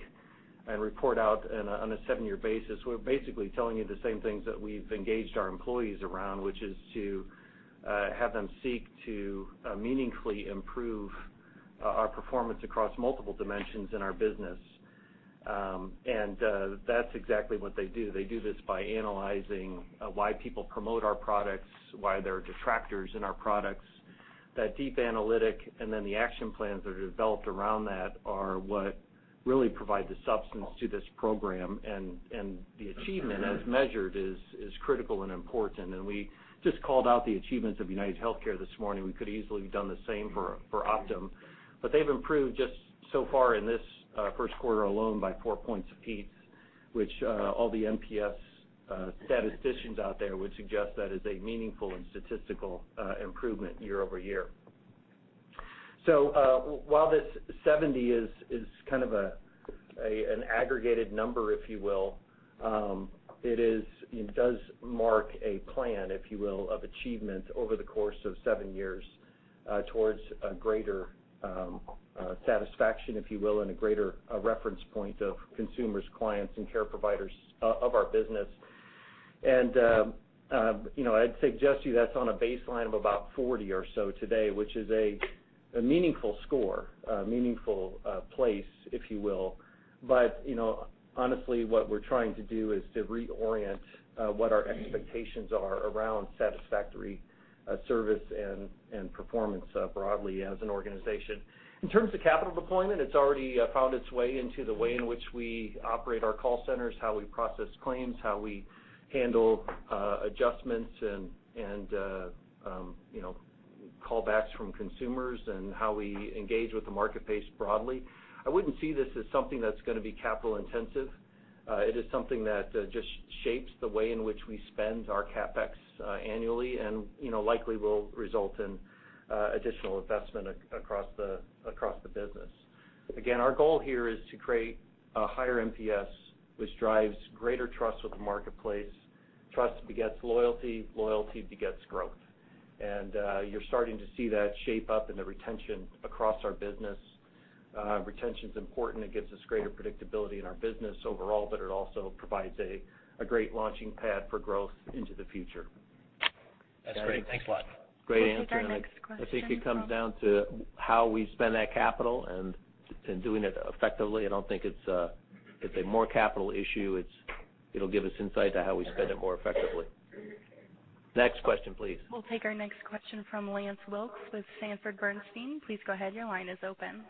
[SPEAKER 4] and report out on a seven-year basis. We're basically telling you the same things that we've engaged our employees around, which is to have them seek to meaningfully improve our performance across multiple dimensions in our business. That's exactly what they do. They do this by analyzing why people promote our products, why there are detractors in our products. That deep analytic, then the action plans that are developed around that are what really provide the substance to this program, and the achievement as measured is critical and important. We just called out the achievements of UnitedHealthcare this morning. We could easily have done the same for Optum. They've improved just so far in this first quarter alone by four points apiece, which all the NPS statisticians out there would suggest that is a meaningful and statistical improvement year-over-year. While this 70 is kind of an aggregated number, if you will, it does mark a plan, if you will, of achievement over the course of seven years towards a greater satisfaction, if you will, and a greater reference point of consumers, clients, and care providers of our business. I'd suggest to you that's on a baseline of about 40 or so today, which is a meaningful score, a meaningful place, if you will. Honestly, what we're trying to do is to reorient what our expectations are around satisfactory service and performance broadly as an organization. In terms of capital deployment, it's already found its way into the way in which we operate our call centers, how we process claims, how we handle adjustments and callbacks from consumers, and how we engage with the marketplace broadly. I wouldn't see this as something that's going to be capital intensive. It is something that just shapes the way in which we spend our CapEx annually and likely will result in additional investment across the business. Again, our goal here is to create a higher NPS, which drives greater trust with the marketplace. Trust begets loyalty begets growth. You're starting to see that shape up in the retention across our business. Retention's important. It gives us greater predictability in our business overall, it also provides a great launching pad for growth into the future.
[SPEAKER 18] That's great. Thanks a lot.
[SPEAKER 2] Great answer.
[SPEAKER 1] We'll take our next question from-
[SPEAKER 2] I think it comes down to how we spend that capital and doing it effectively. I don't think it's a more capital issue. It'll give us insight to how we spend it more effectively. Next question, please.
[SPEAKER 1] We'll take our next question from Lance Wilkes with Sanford C. Bernstein. Please go ahead. Your line is open.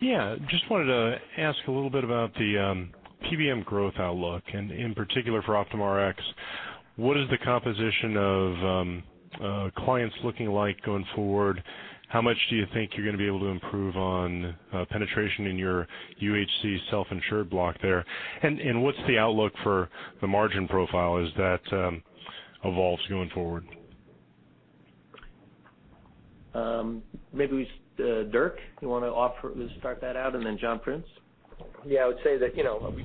[SPEAKER 19] Just wanted to ask a little bit about the PBM growth outlook, and in particular for Optum Rx. What is the composition of clients looking like going forward? How much do you think you're going to be able to improve on penetration in your UHC self-insured block there? What's the outlook for the margin profile as that evolves going forward?
[SPEAKER 2] Maybe Dirk, you want to offer to start that out, then John Prince?
[SPEAKER 20] Yeah, I would say that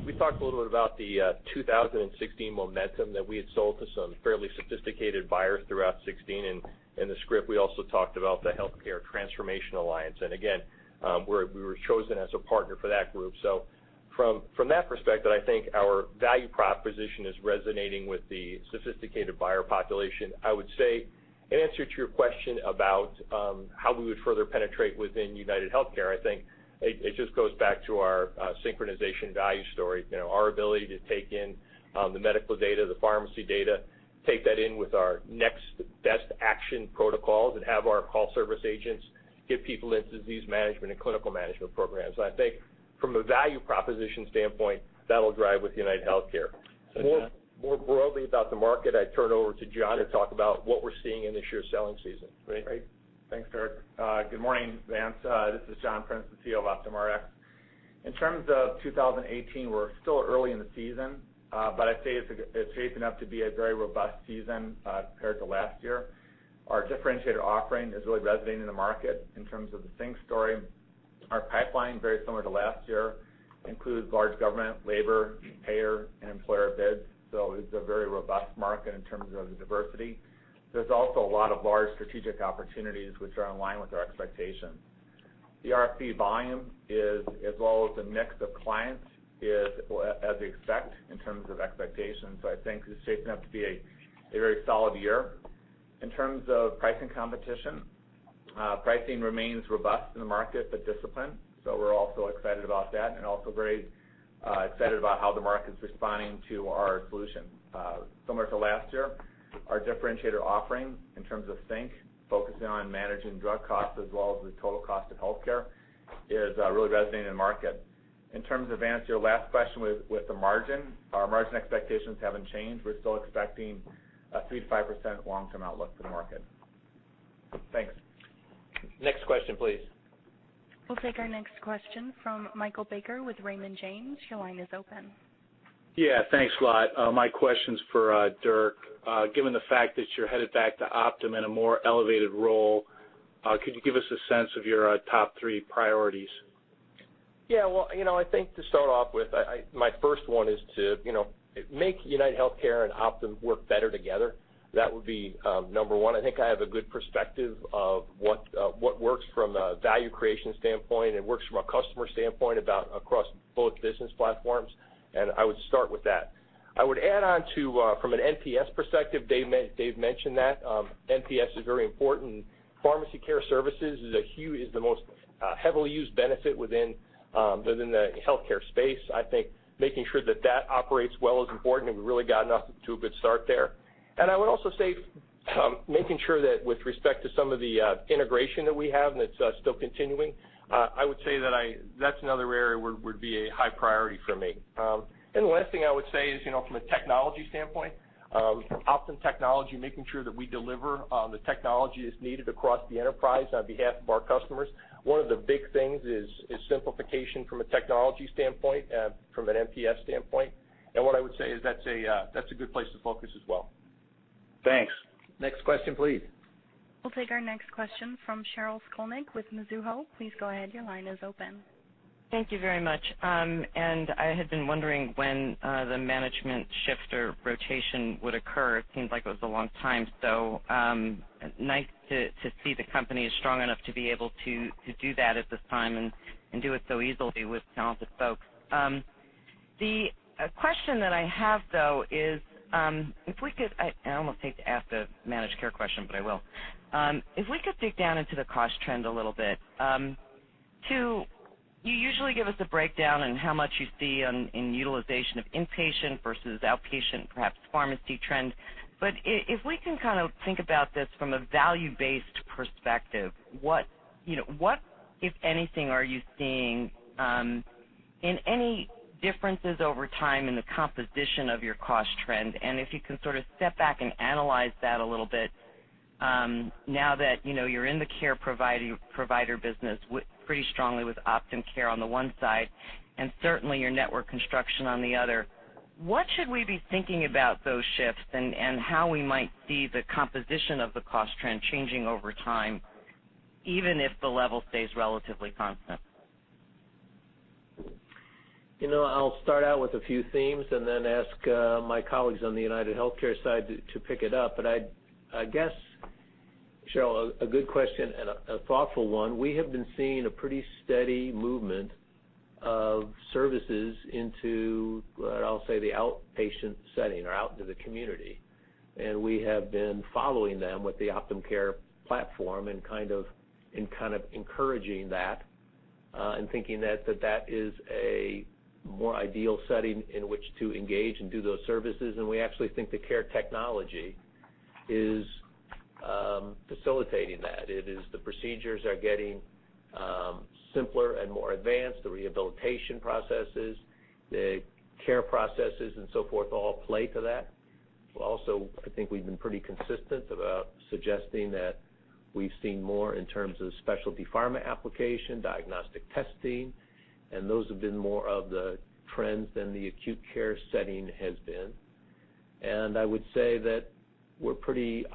[SPEAKER 20] we talked a little bit about the 2016 momentum that we had sold to some fairly sophisticated buyers throughout 2016. In the script, we also talked about the Health Transformation Alliance. Again, we were chosen as a partner for that group. From that perspective, I think our value proposition is resonating with the sophisticated buyer population. I would say, in answer to your question about how we would further penetrate within UnitedHealthcare, I think it just goes back to our synchronization value story. Our ability to take in the medical data, the pharmacy data, take that in with our next best action protocols, and have our call service agents get people into disease management and clinical management programs. I think from a value proposition standpoint, that'll drive with UnitedHealthcare.
[SPEAKER 2] John?
[SPEAKER 20] More broadly about the market, I turn it over to John to talk about what we're seeing in this year's selling season.
[SPEAKER 2] Great.
[SPEAKER 21] Great. Thanks, Dirk. Good morning, Lance. This is John Prince, the CEO of OptumRx.
[SPEAKER 2] In terms of 2018, we're still early in the season, but I'd say it's shaping up to be a very robust season compared to last year. Our differentiator offering is really resonating in the market in terms of the sync story. Our pipeline, very similar to last year, includes large government, labor, payer, and employer bids. It's a very robust market in terms of the diversity. There's also a lot of large strategic opportunities which are in line with our expectations. The RFP volume, as well as the mix of clients, is as expect in terms of expectations. I think it's shaping up to be a very solid year. In terms of pricing competition, pricing remains robust in the market, but disciplined. We're also excited about that and also very excited about how the market's responding to our solution.
[SPEAKER 21] Similar to last year, our differentiator offering in terms of sync, focusing on managing drug costs as well as the total cost of healthcare, is really resonating in the market. In terms of answering your last question with the margin, our margin expectations haven't changed. We're still expecting a 3%-5% long-term outlook for the market. Thanks.
[SPEAKER 2] Next question, please.
[SPEAKER 1] We'll take our next question from Michael Baker with Raymond James. Your line is open.
[SPEAKER 22] Thanks a lot. My question's for Dirk. Given the fact that you're headed back to Optum in a more elevated role, could you give us a sense of your top three priorities?
[SPEAKER 20] I think to start off with, my first one is to make UnitedHealthcare and Optum work better together. That would be number one. I think I have a good perspective of what works from a value creation standpoint and works from a customer standpoint across both business platforms, and I would start with that. I would add on too, from an NPS perspective, Dave mentioned that. NPS is very important. Pharmacy care services is the most heavily used benefit within the healthcare space. I think making sure that that operates well is important, and we've really gotten off to a good start there. I would also say, making sure that with respect to some of the integration that we have, and it's still continuing, I would say that's another area where it would be a high priority for me. The last thing I would say is from a technology standpoint, Optum technology, making sure that we deliver on the technology as needed across the enterprise on behalf of our customers. One of the big things is simplification from a technology standpoint, from an NPS standpoint. What I would say is that's a good place to focus as well.
[SPEAKER 22] Thanks.
[SPEAKER 2] Next question, please.
[SPEAKER 1] We'll take our next question from Sheryl Skolnick with Mizuho. Please go ahead, your line is open.
[SPEAKER 23] Thank you very much. I had been wondering when the management shift or rotation would occur. It seems like it was a long time. Nice to see the company is strong enough to be able to do that at this time and do it so easily with talented folks. The question that I have, though, is if we could I almost hate to ask the managed care question, but I will. If we could dig down into the cost trend a little bit. You usually give us a breakdown on how much you see in utilization of inpatient versus outpatient, perhaps pharmacy trends. If we can think about this from a value-based perspective, what, if anything, are you seeing in any differences over time in the composition of your cost trend? If you can sort of step back and analyze that a little bit, now that you're in the care provider business pretty strongly with Optum Care on the one side, and certainly your network construction on the other, what should we be thinking about those shifts and how we might see the composition of the cost trend changing over time, even if the level stays relatively constant?
[SPEAKER 2] I'll start out with a few themes and then ask my colleagues on the UnitedHealthcare side to pick it up. I guess, Sheryl, a good question and a thoughtful one. We have been seeing a pretty steady movement of services into, I'll say, the outpatient setting or out into the community. We have been following them with the Optum Care platform and kind of encouraging that, and thinking that that is a more ideal setting in which to engage and do those services. We actually think the care technology is facilitating that. It is the procedures are getting simpler and more advanced. The rehabilitation processes, the care processes, and so forth all play to that. Also, I think we've been pretty consistent about suggesting that we've seen more in terms of specialty pharma application, diagnostic testing, and those have been more of the trends than the acute care setting has been. I would say that we're pretty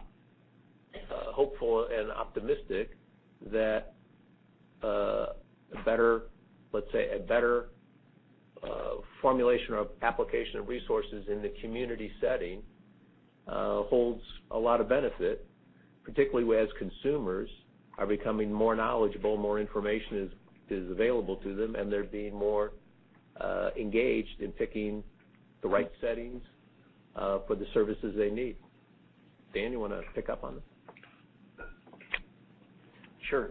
[SPEAKER 2] hopeful and optimistic that a better, let's say, a better formulation or application of resources in the community setting holds a lot of benefit, particularly as consumers are becoming more knowledgeable, more information is available to them, and they're being more engaged in picking the right settings for the services they need. Dan, you want to pick up on this?
[SPEAKER 7] Sure.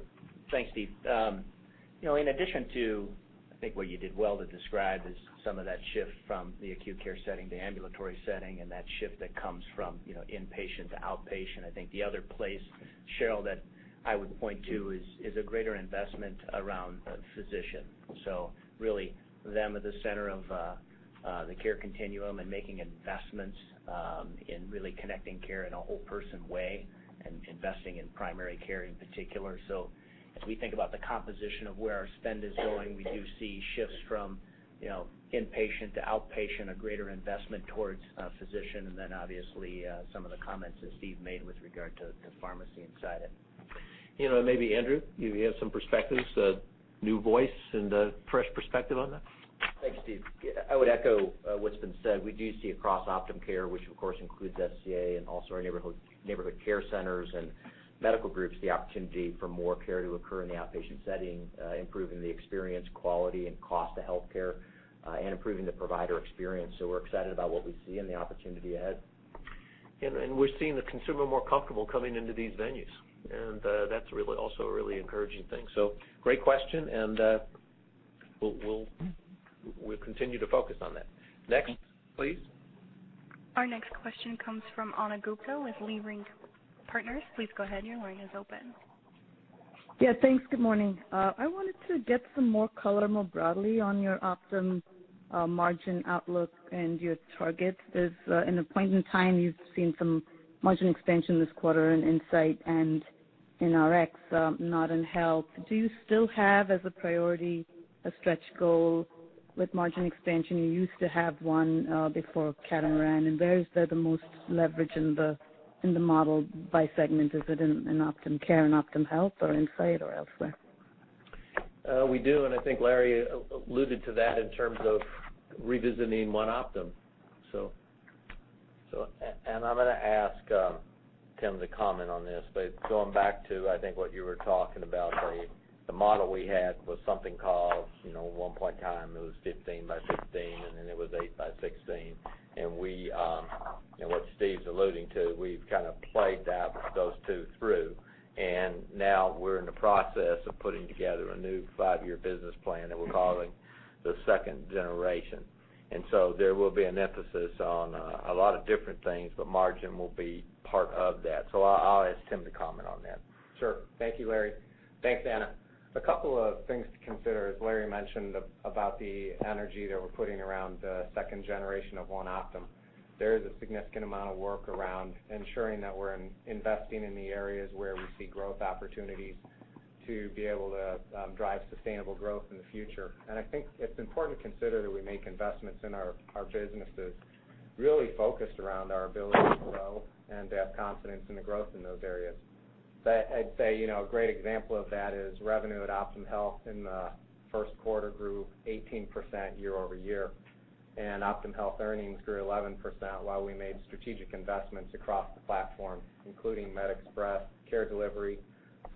[SPEAKER 7] Thanks, Steve. In addition to, I think, what you did well to describe is some of that shift from the acute care setting to ambulatory setting, and that shift that comes from inpatient to outpatient. I think the other place, Sheryl, that I would point to is a greater investment around a physician. Really them at the center of the care continuum and making investments in really connecting care in a whole person way and investing in primary care in particular. As we think about the composition of where our spend is going, we do see shifts from inpatient to outpatient, a greater investment towards a physician, and then obviously, some of the comments that Steve made with regard to pharmacy inside it.
[SPEAKER 2] Maybe Andrew, you have some perspectives, a new voice and a fresh perspective on that.
[SPEAKER 24] Thanks, Steve. I would echo what's been said. We do see across Optum Care, which of course includes SCA and also our neighborhood care centers and medical groups, the opportunity for more care to occur in the outpatient setting, improving the experience, quality, and cost of healthcare, and improving the provider experience. We're excited about what we see and the opportunity ahead.
[SPEAKER 2] We're seeing the consumer more comfortable coming into these venues, and that's also a really encouraging thing. Great question, and we'll continue to focus on that. Next, please.
[SPEAKER 1] Our next question comes from Ana Gupte with Leerink Partners. Please go ahead. Your line is open.
[SPEAKER 25] Yeah, thanks. Good morning. I wanted to get some more color more broadly on your Optum margin outlook and your targets. In a point in time, you've seen some margin expansion this quarter in Insight and in Rx, not in Health. Do you still have, as a priority, a stretch goal with margin expansion? You used to have one before Catamaran, and where is the most leverage in the model by segment? Is it in Optum Care, in OptumHealth, or in Insight or elsewhere?
[SPEAKER 2] We do, and I think Larry alluded to that in terms of revisiting One Optum.
[SPEAKER 3] I'm going to ask Tim to comment on this, but going back to, I think, what you were talking about, the model we had was something called, at one point in time it was 15 by 15, and then it was 8 by 16. What Steve's alluding to, we've kind of played those two through, and now we're in the process of putting together a new five-year business plan that we're calling the second generation. There will be an emphasis on a lot of different things, but margin will be part of that. I'll ask Tim to comment on that.
[SPEAKER 12] Sure. Thank you, Larry. Thanks, Ana. A couple of things to consider, as Larry mentioned, about the energy that we're putting around the second generation of One Optum. There is a significant amount of work around ensuring that we're investing in the areas where we see growth opportunities to be able to drive sustainable growth in the future. I think it's important to consider that we make investments in our businesses really focused around our ability to grow and to have confidence in the growth in those areas. I'd say, a great example of that is revenue at OptumHealth in the first quarter grew 18% year-over-year, and OptumHealth earnings grew 11% while we made strategic investments across the platform, including MedExpress, care delivery,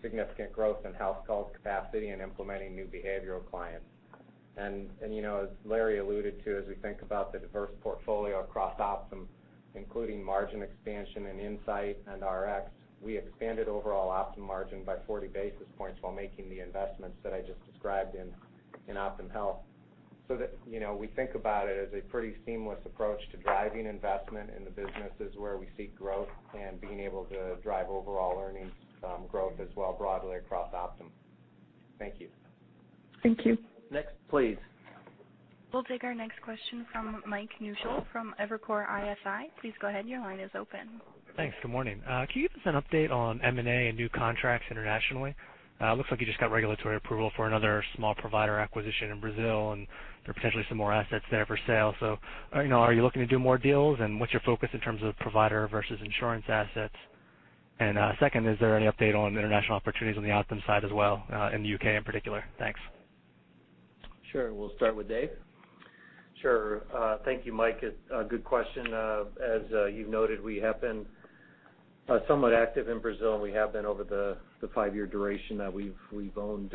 [SPEAKER 12] significant growth in health call capacity, and implementing new behavioral clients. As Larry alluded to, as we think about the diverse portfolio across Optum, including margin expansion in Insight and Rx, we expanded overall Optum margin by 40 basis points while making the investments that I just described in OptumHealth. That we think about it as a pretty seamless approach to driving investment in the businesses where we see growth and being able to drive overall earnings growth as well broadly across Optum. Thank you.
[SPEAKER 25] Thank you.
[SPEAKER 2] Next, please.
[SPEAKER 1] We'll take our next question from Michael Newshel from Evercore ISI. Please go ahead. Your line is open.
[SPEAKER 26] Thanks. Good morning. Can you give us an update on M&A and new contracts internationally? It looks like you just got regulatory approval for another small provider acquisition in Brazil, and there are potentially some more assets there for sale. Are you looking to do more deals, and what's your focus in terms of provider versus insurance assets? Second, is there any update on international opportunities on the Optum side as well, in the U.K. in particular? Thanks.
[SPEAKER 2] Sure. We'll start with Dave.
[SPEAKER 4] Sure. Thank you, Mike. A good question. As you've noted, we have been somewhat active in Brazil, and we have been over the five-year duration that we've owned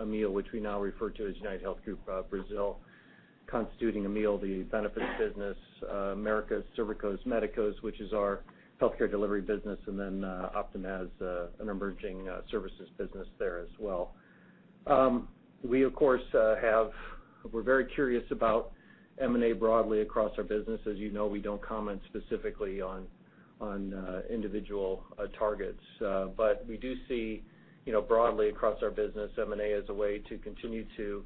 [SPEAKER 4] Amil, which we now refer to as UnitedHealth Group Brazil, constituting Amil, the benefits business, Américas Serviços Médicos, which is our healthcare delivery business, and then Optum as an emerging services business there as well. We're very curious about M&A broadly across our business. As you know, we don't comment specifically on individual targets. We do see, broadly across our business, M&A as a way to continue to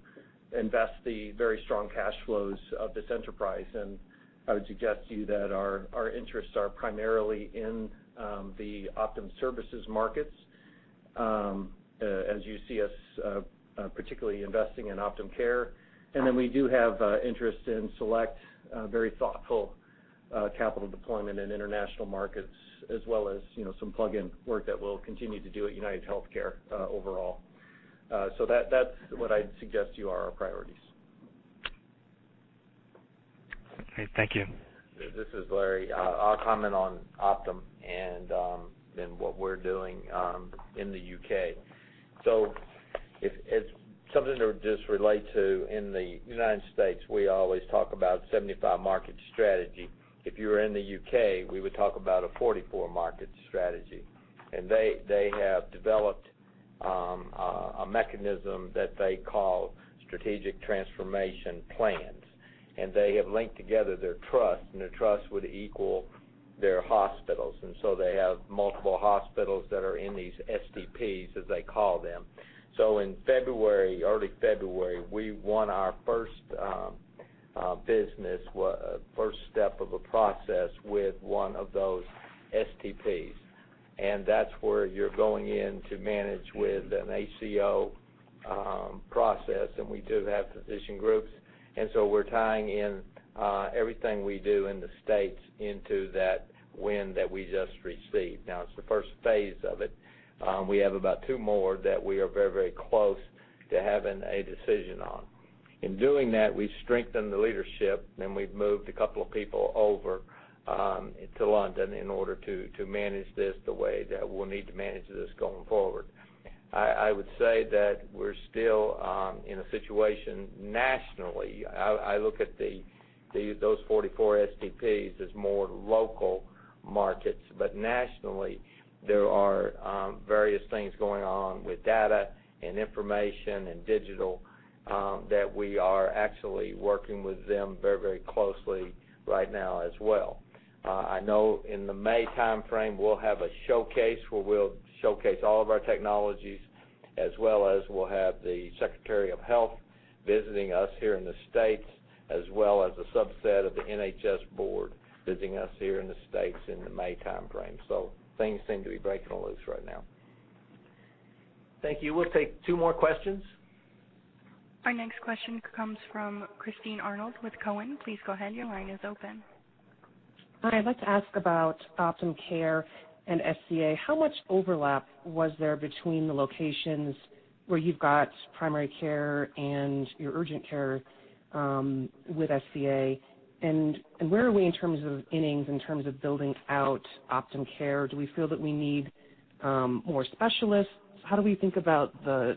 [SPEAKER 4] invest the very strong cash flows of this enterprise. I would suggest to you that our interests are primarily in the Optum Services markets, as you see us particularly investing in Optum Care. We do have interest in select very thoughtful capital deployment in international markets as well as some plug-in work that we'll continue to do at UnitedHealthcare overall. That's what I'd suggest to you are our priorities.
[SPEAKER 26] Okay, thank you.
[SPEAKER 3] This is Larry. I'll comment on Optum and then what we're doing in the U.K. As something to just relate to in the United States, we always talk about 75 market strategy. If you were in the U.K., we would talk about a 44 market strategy. They have developed a mechanism that they call strategic transformation plans. They have linked together their trust, and their trust would equal their hospitals. They have multiple hospitals that are in these STPs, as they call them. In early February, we won our first business, first step of a process with one of those STPs, and that's where you're going in to manage with an ACO process. We do have physician groups, and we're tying in everything we do in the States into that win that we just received. Now, it's the first phase of it. We have about two more that we are very close to having a decision on. In doing that, we've strengthened the leadership, and we've moved a couple of people over to London in order to manage this the way that we'll need to manage this going forward. I would say that we're still in a situation nationally. I look at those 44 STPs as more local markets. Nationally, there are various things going on with data and information and digital, that we are actually working with them very closely right now as well. I know in the May timeframe, we'll have a showcase where we'll showcase all of our technologies, as well as we'll have the Secretary of Health visiting us here in the States, as well as a subset of the NHS board visiting us here in the States in the May timeframe. things seem to be breaking loose right now.
[SPEAKER 2] Thank you. We'll take two more questions.
[SPEAKER 1] Our next question comes from Christine Arnold with Cowen. Please go ahead. Your line is open.
[SPEAKER 27] Hi. I'd like to ask about Optum Care and SCA. How much overlap was there between the locations where you've got primary care and your urgent care with SCA? Where are we in terms of innings, in terms of building out Optum Care? Do we feel that we need more specialists? How do we think about the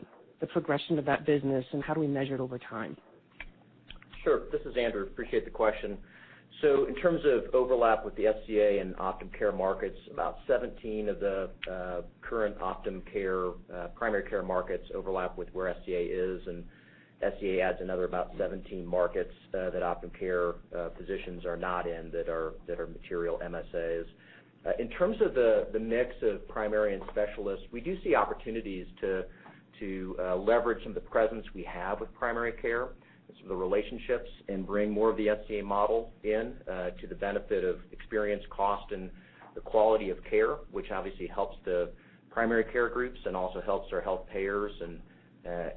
[SPEAKER 27] progression of that business, and how do we measure it over time?
[SPEAKER 24] Sure. This is Andrew. In terms of overlap with the SCA and Optum Care markets, about 17 of the current Optum Care primary care markets overlap with where SCA is, and SCA adds another about 17 markets that Optum Care physicians are not in that are material MSAs. In terms of the mix of primary and specialists, we do see opportunities to leverage some of the presence we have with primary care, some of the relationships, and bring more of the SCA model in to the benefit of experience, cost, and the quality of care, which obviously helps the primary care groups and also helps our health payers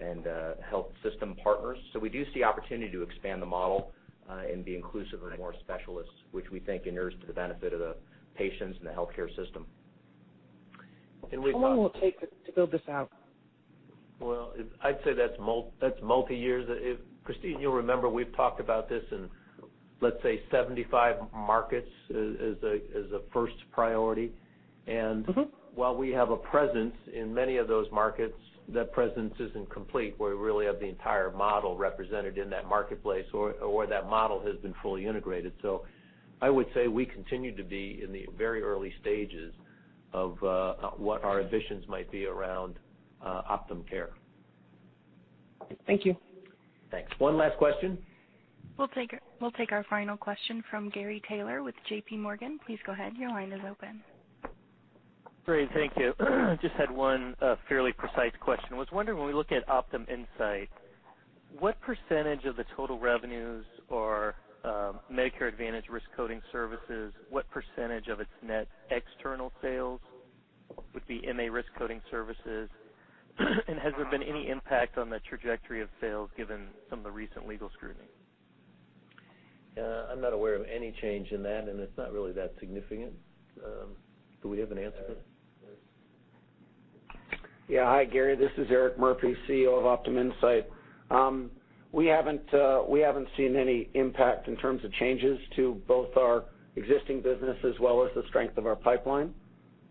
[SPEAKER 24] and health system partners. We do see opportunity to expand the model and be inclusive of more specialists, which we think inures to the benefit of the patients and the healthcare system.
[SPEAKER 3] And we've got-
[SPEAKER 27] How long will it take to build this out?
[SPEAKER 3] I'd say that's multi-years. Christine, you'll remember we've talked about this in, let's say, 75 markets as a first priority. While we have a presence in many of those markets, that presence isn't complete, where we really have the entire model represented in that marketplace or where that model has been fully integrated. I would say we continue to be in the very early stages of what our ambitions might be around Optum Care.
[SPEAKER 27] Thank you.
[SPEAKER 2] Thanks. One last question.
[SPEAKER 1] We'll take our final question from Gary Taylor with J.P. Morgan. Please go ahead. Your line is open.
[SPEAKER 28] Great. Thank you. Just had one fairly precise question. Was wondering, when we look at OptumInsight, what % of the total revenues or Medicare Advantage risk coding services, what % of its net external sales would be MA risk coding services? Has there been any impact on the trajectory of sales given some of the recent legal scrutiny?
[SPEAKER 3] I'm not aware of any change in that. It's not really that significant. Do we have an answer for that?
[SPEAKER 29] Yeah. Hi, Gary, this is Eric Murphy, CEO of OptumInsight. We haven't seen any impact in terms of changes to both our existing business as well as the strength of our pipeline.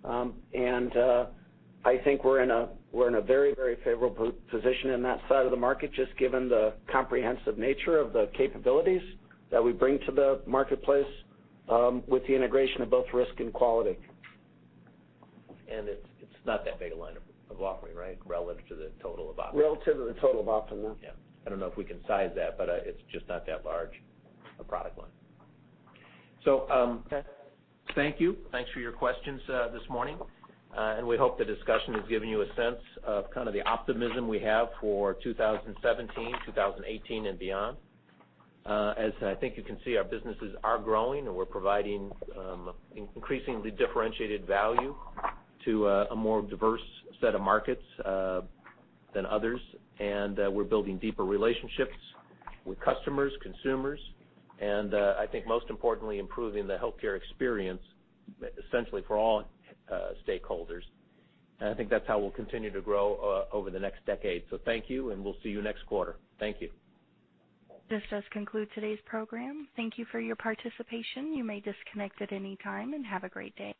[SPEAKER 29] I think we're in a very favorable position in that side of the market, just given the comprehensive nature of the capabilities that we bring to the marketplace with the integration of both risk and quality.
[SPEAKER 2] It's not that big a line of offering, right, relative to the total of Optum?
[SPEAKER 29] Relative to the total of Optum, no.
[SPEAKER 2] Yeah. I don't know if we can size that, but it's just not that large a product line. Thank you. Thanks for your questions this morning, and we hope the discussion has given you a sense of kind of the optimism we have for 2017, 2018, and beyond. As I think you can see, our businesses are growing, and we're providing increasingly differentiated value to a more diverse set of markets than others, and we're building deeper relationships with customers, consumers, and I think most importantly, improving the healthcare experience, essentially for all stakeholders. I think that's how we'll continue to grow over the next decade. Thank you. We'll see you next quarter. Thank you.
[SPEAKER 1] This does conclude today's program. Thank you for your participation. You may disconnect at any time, and have a great day.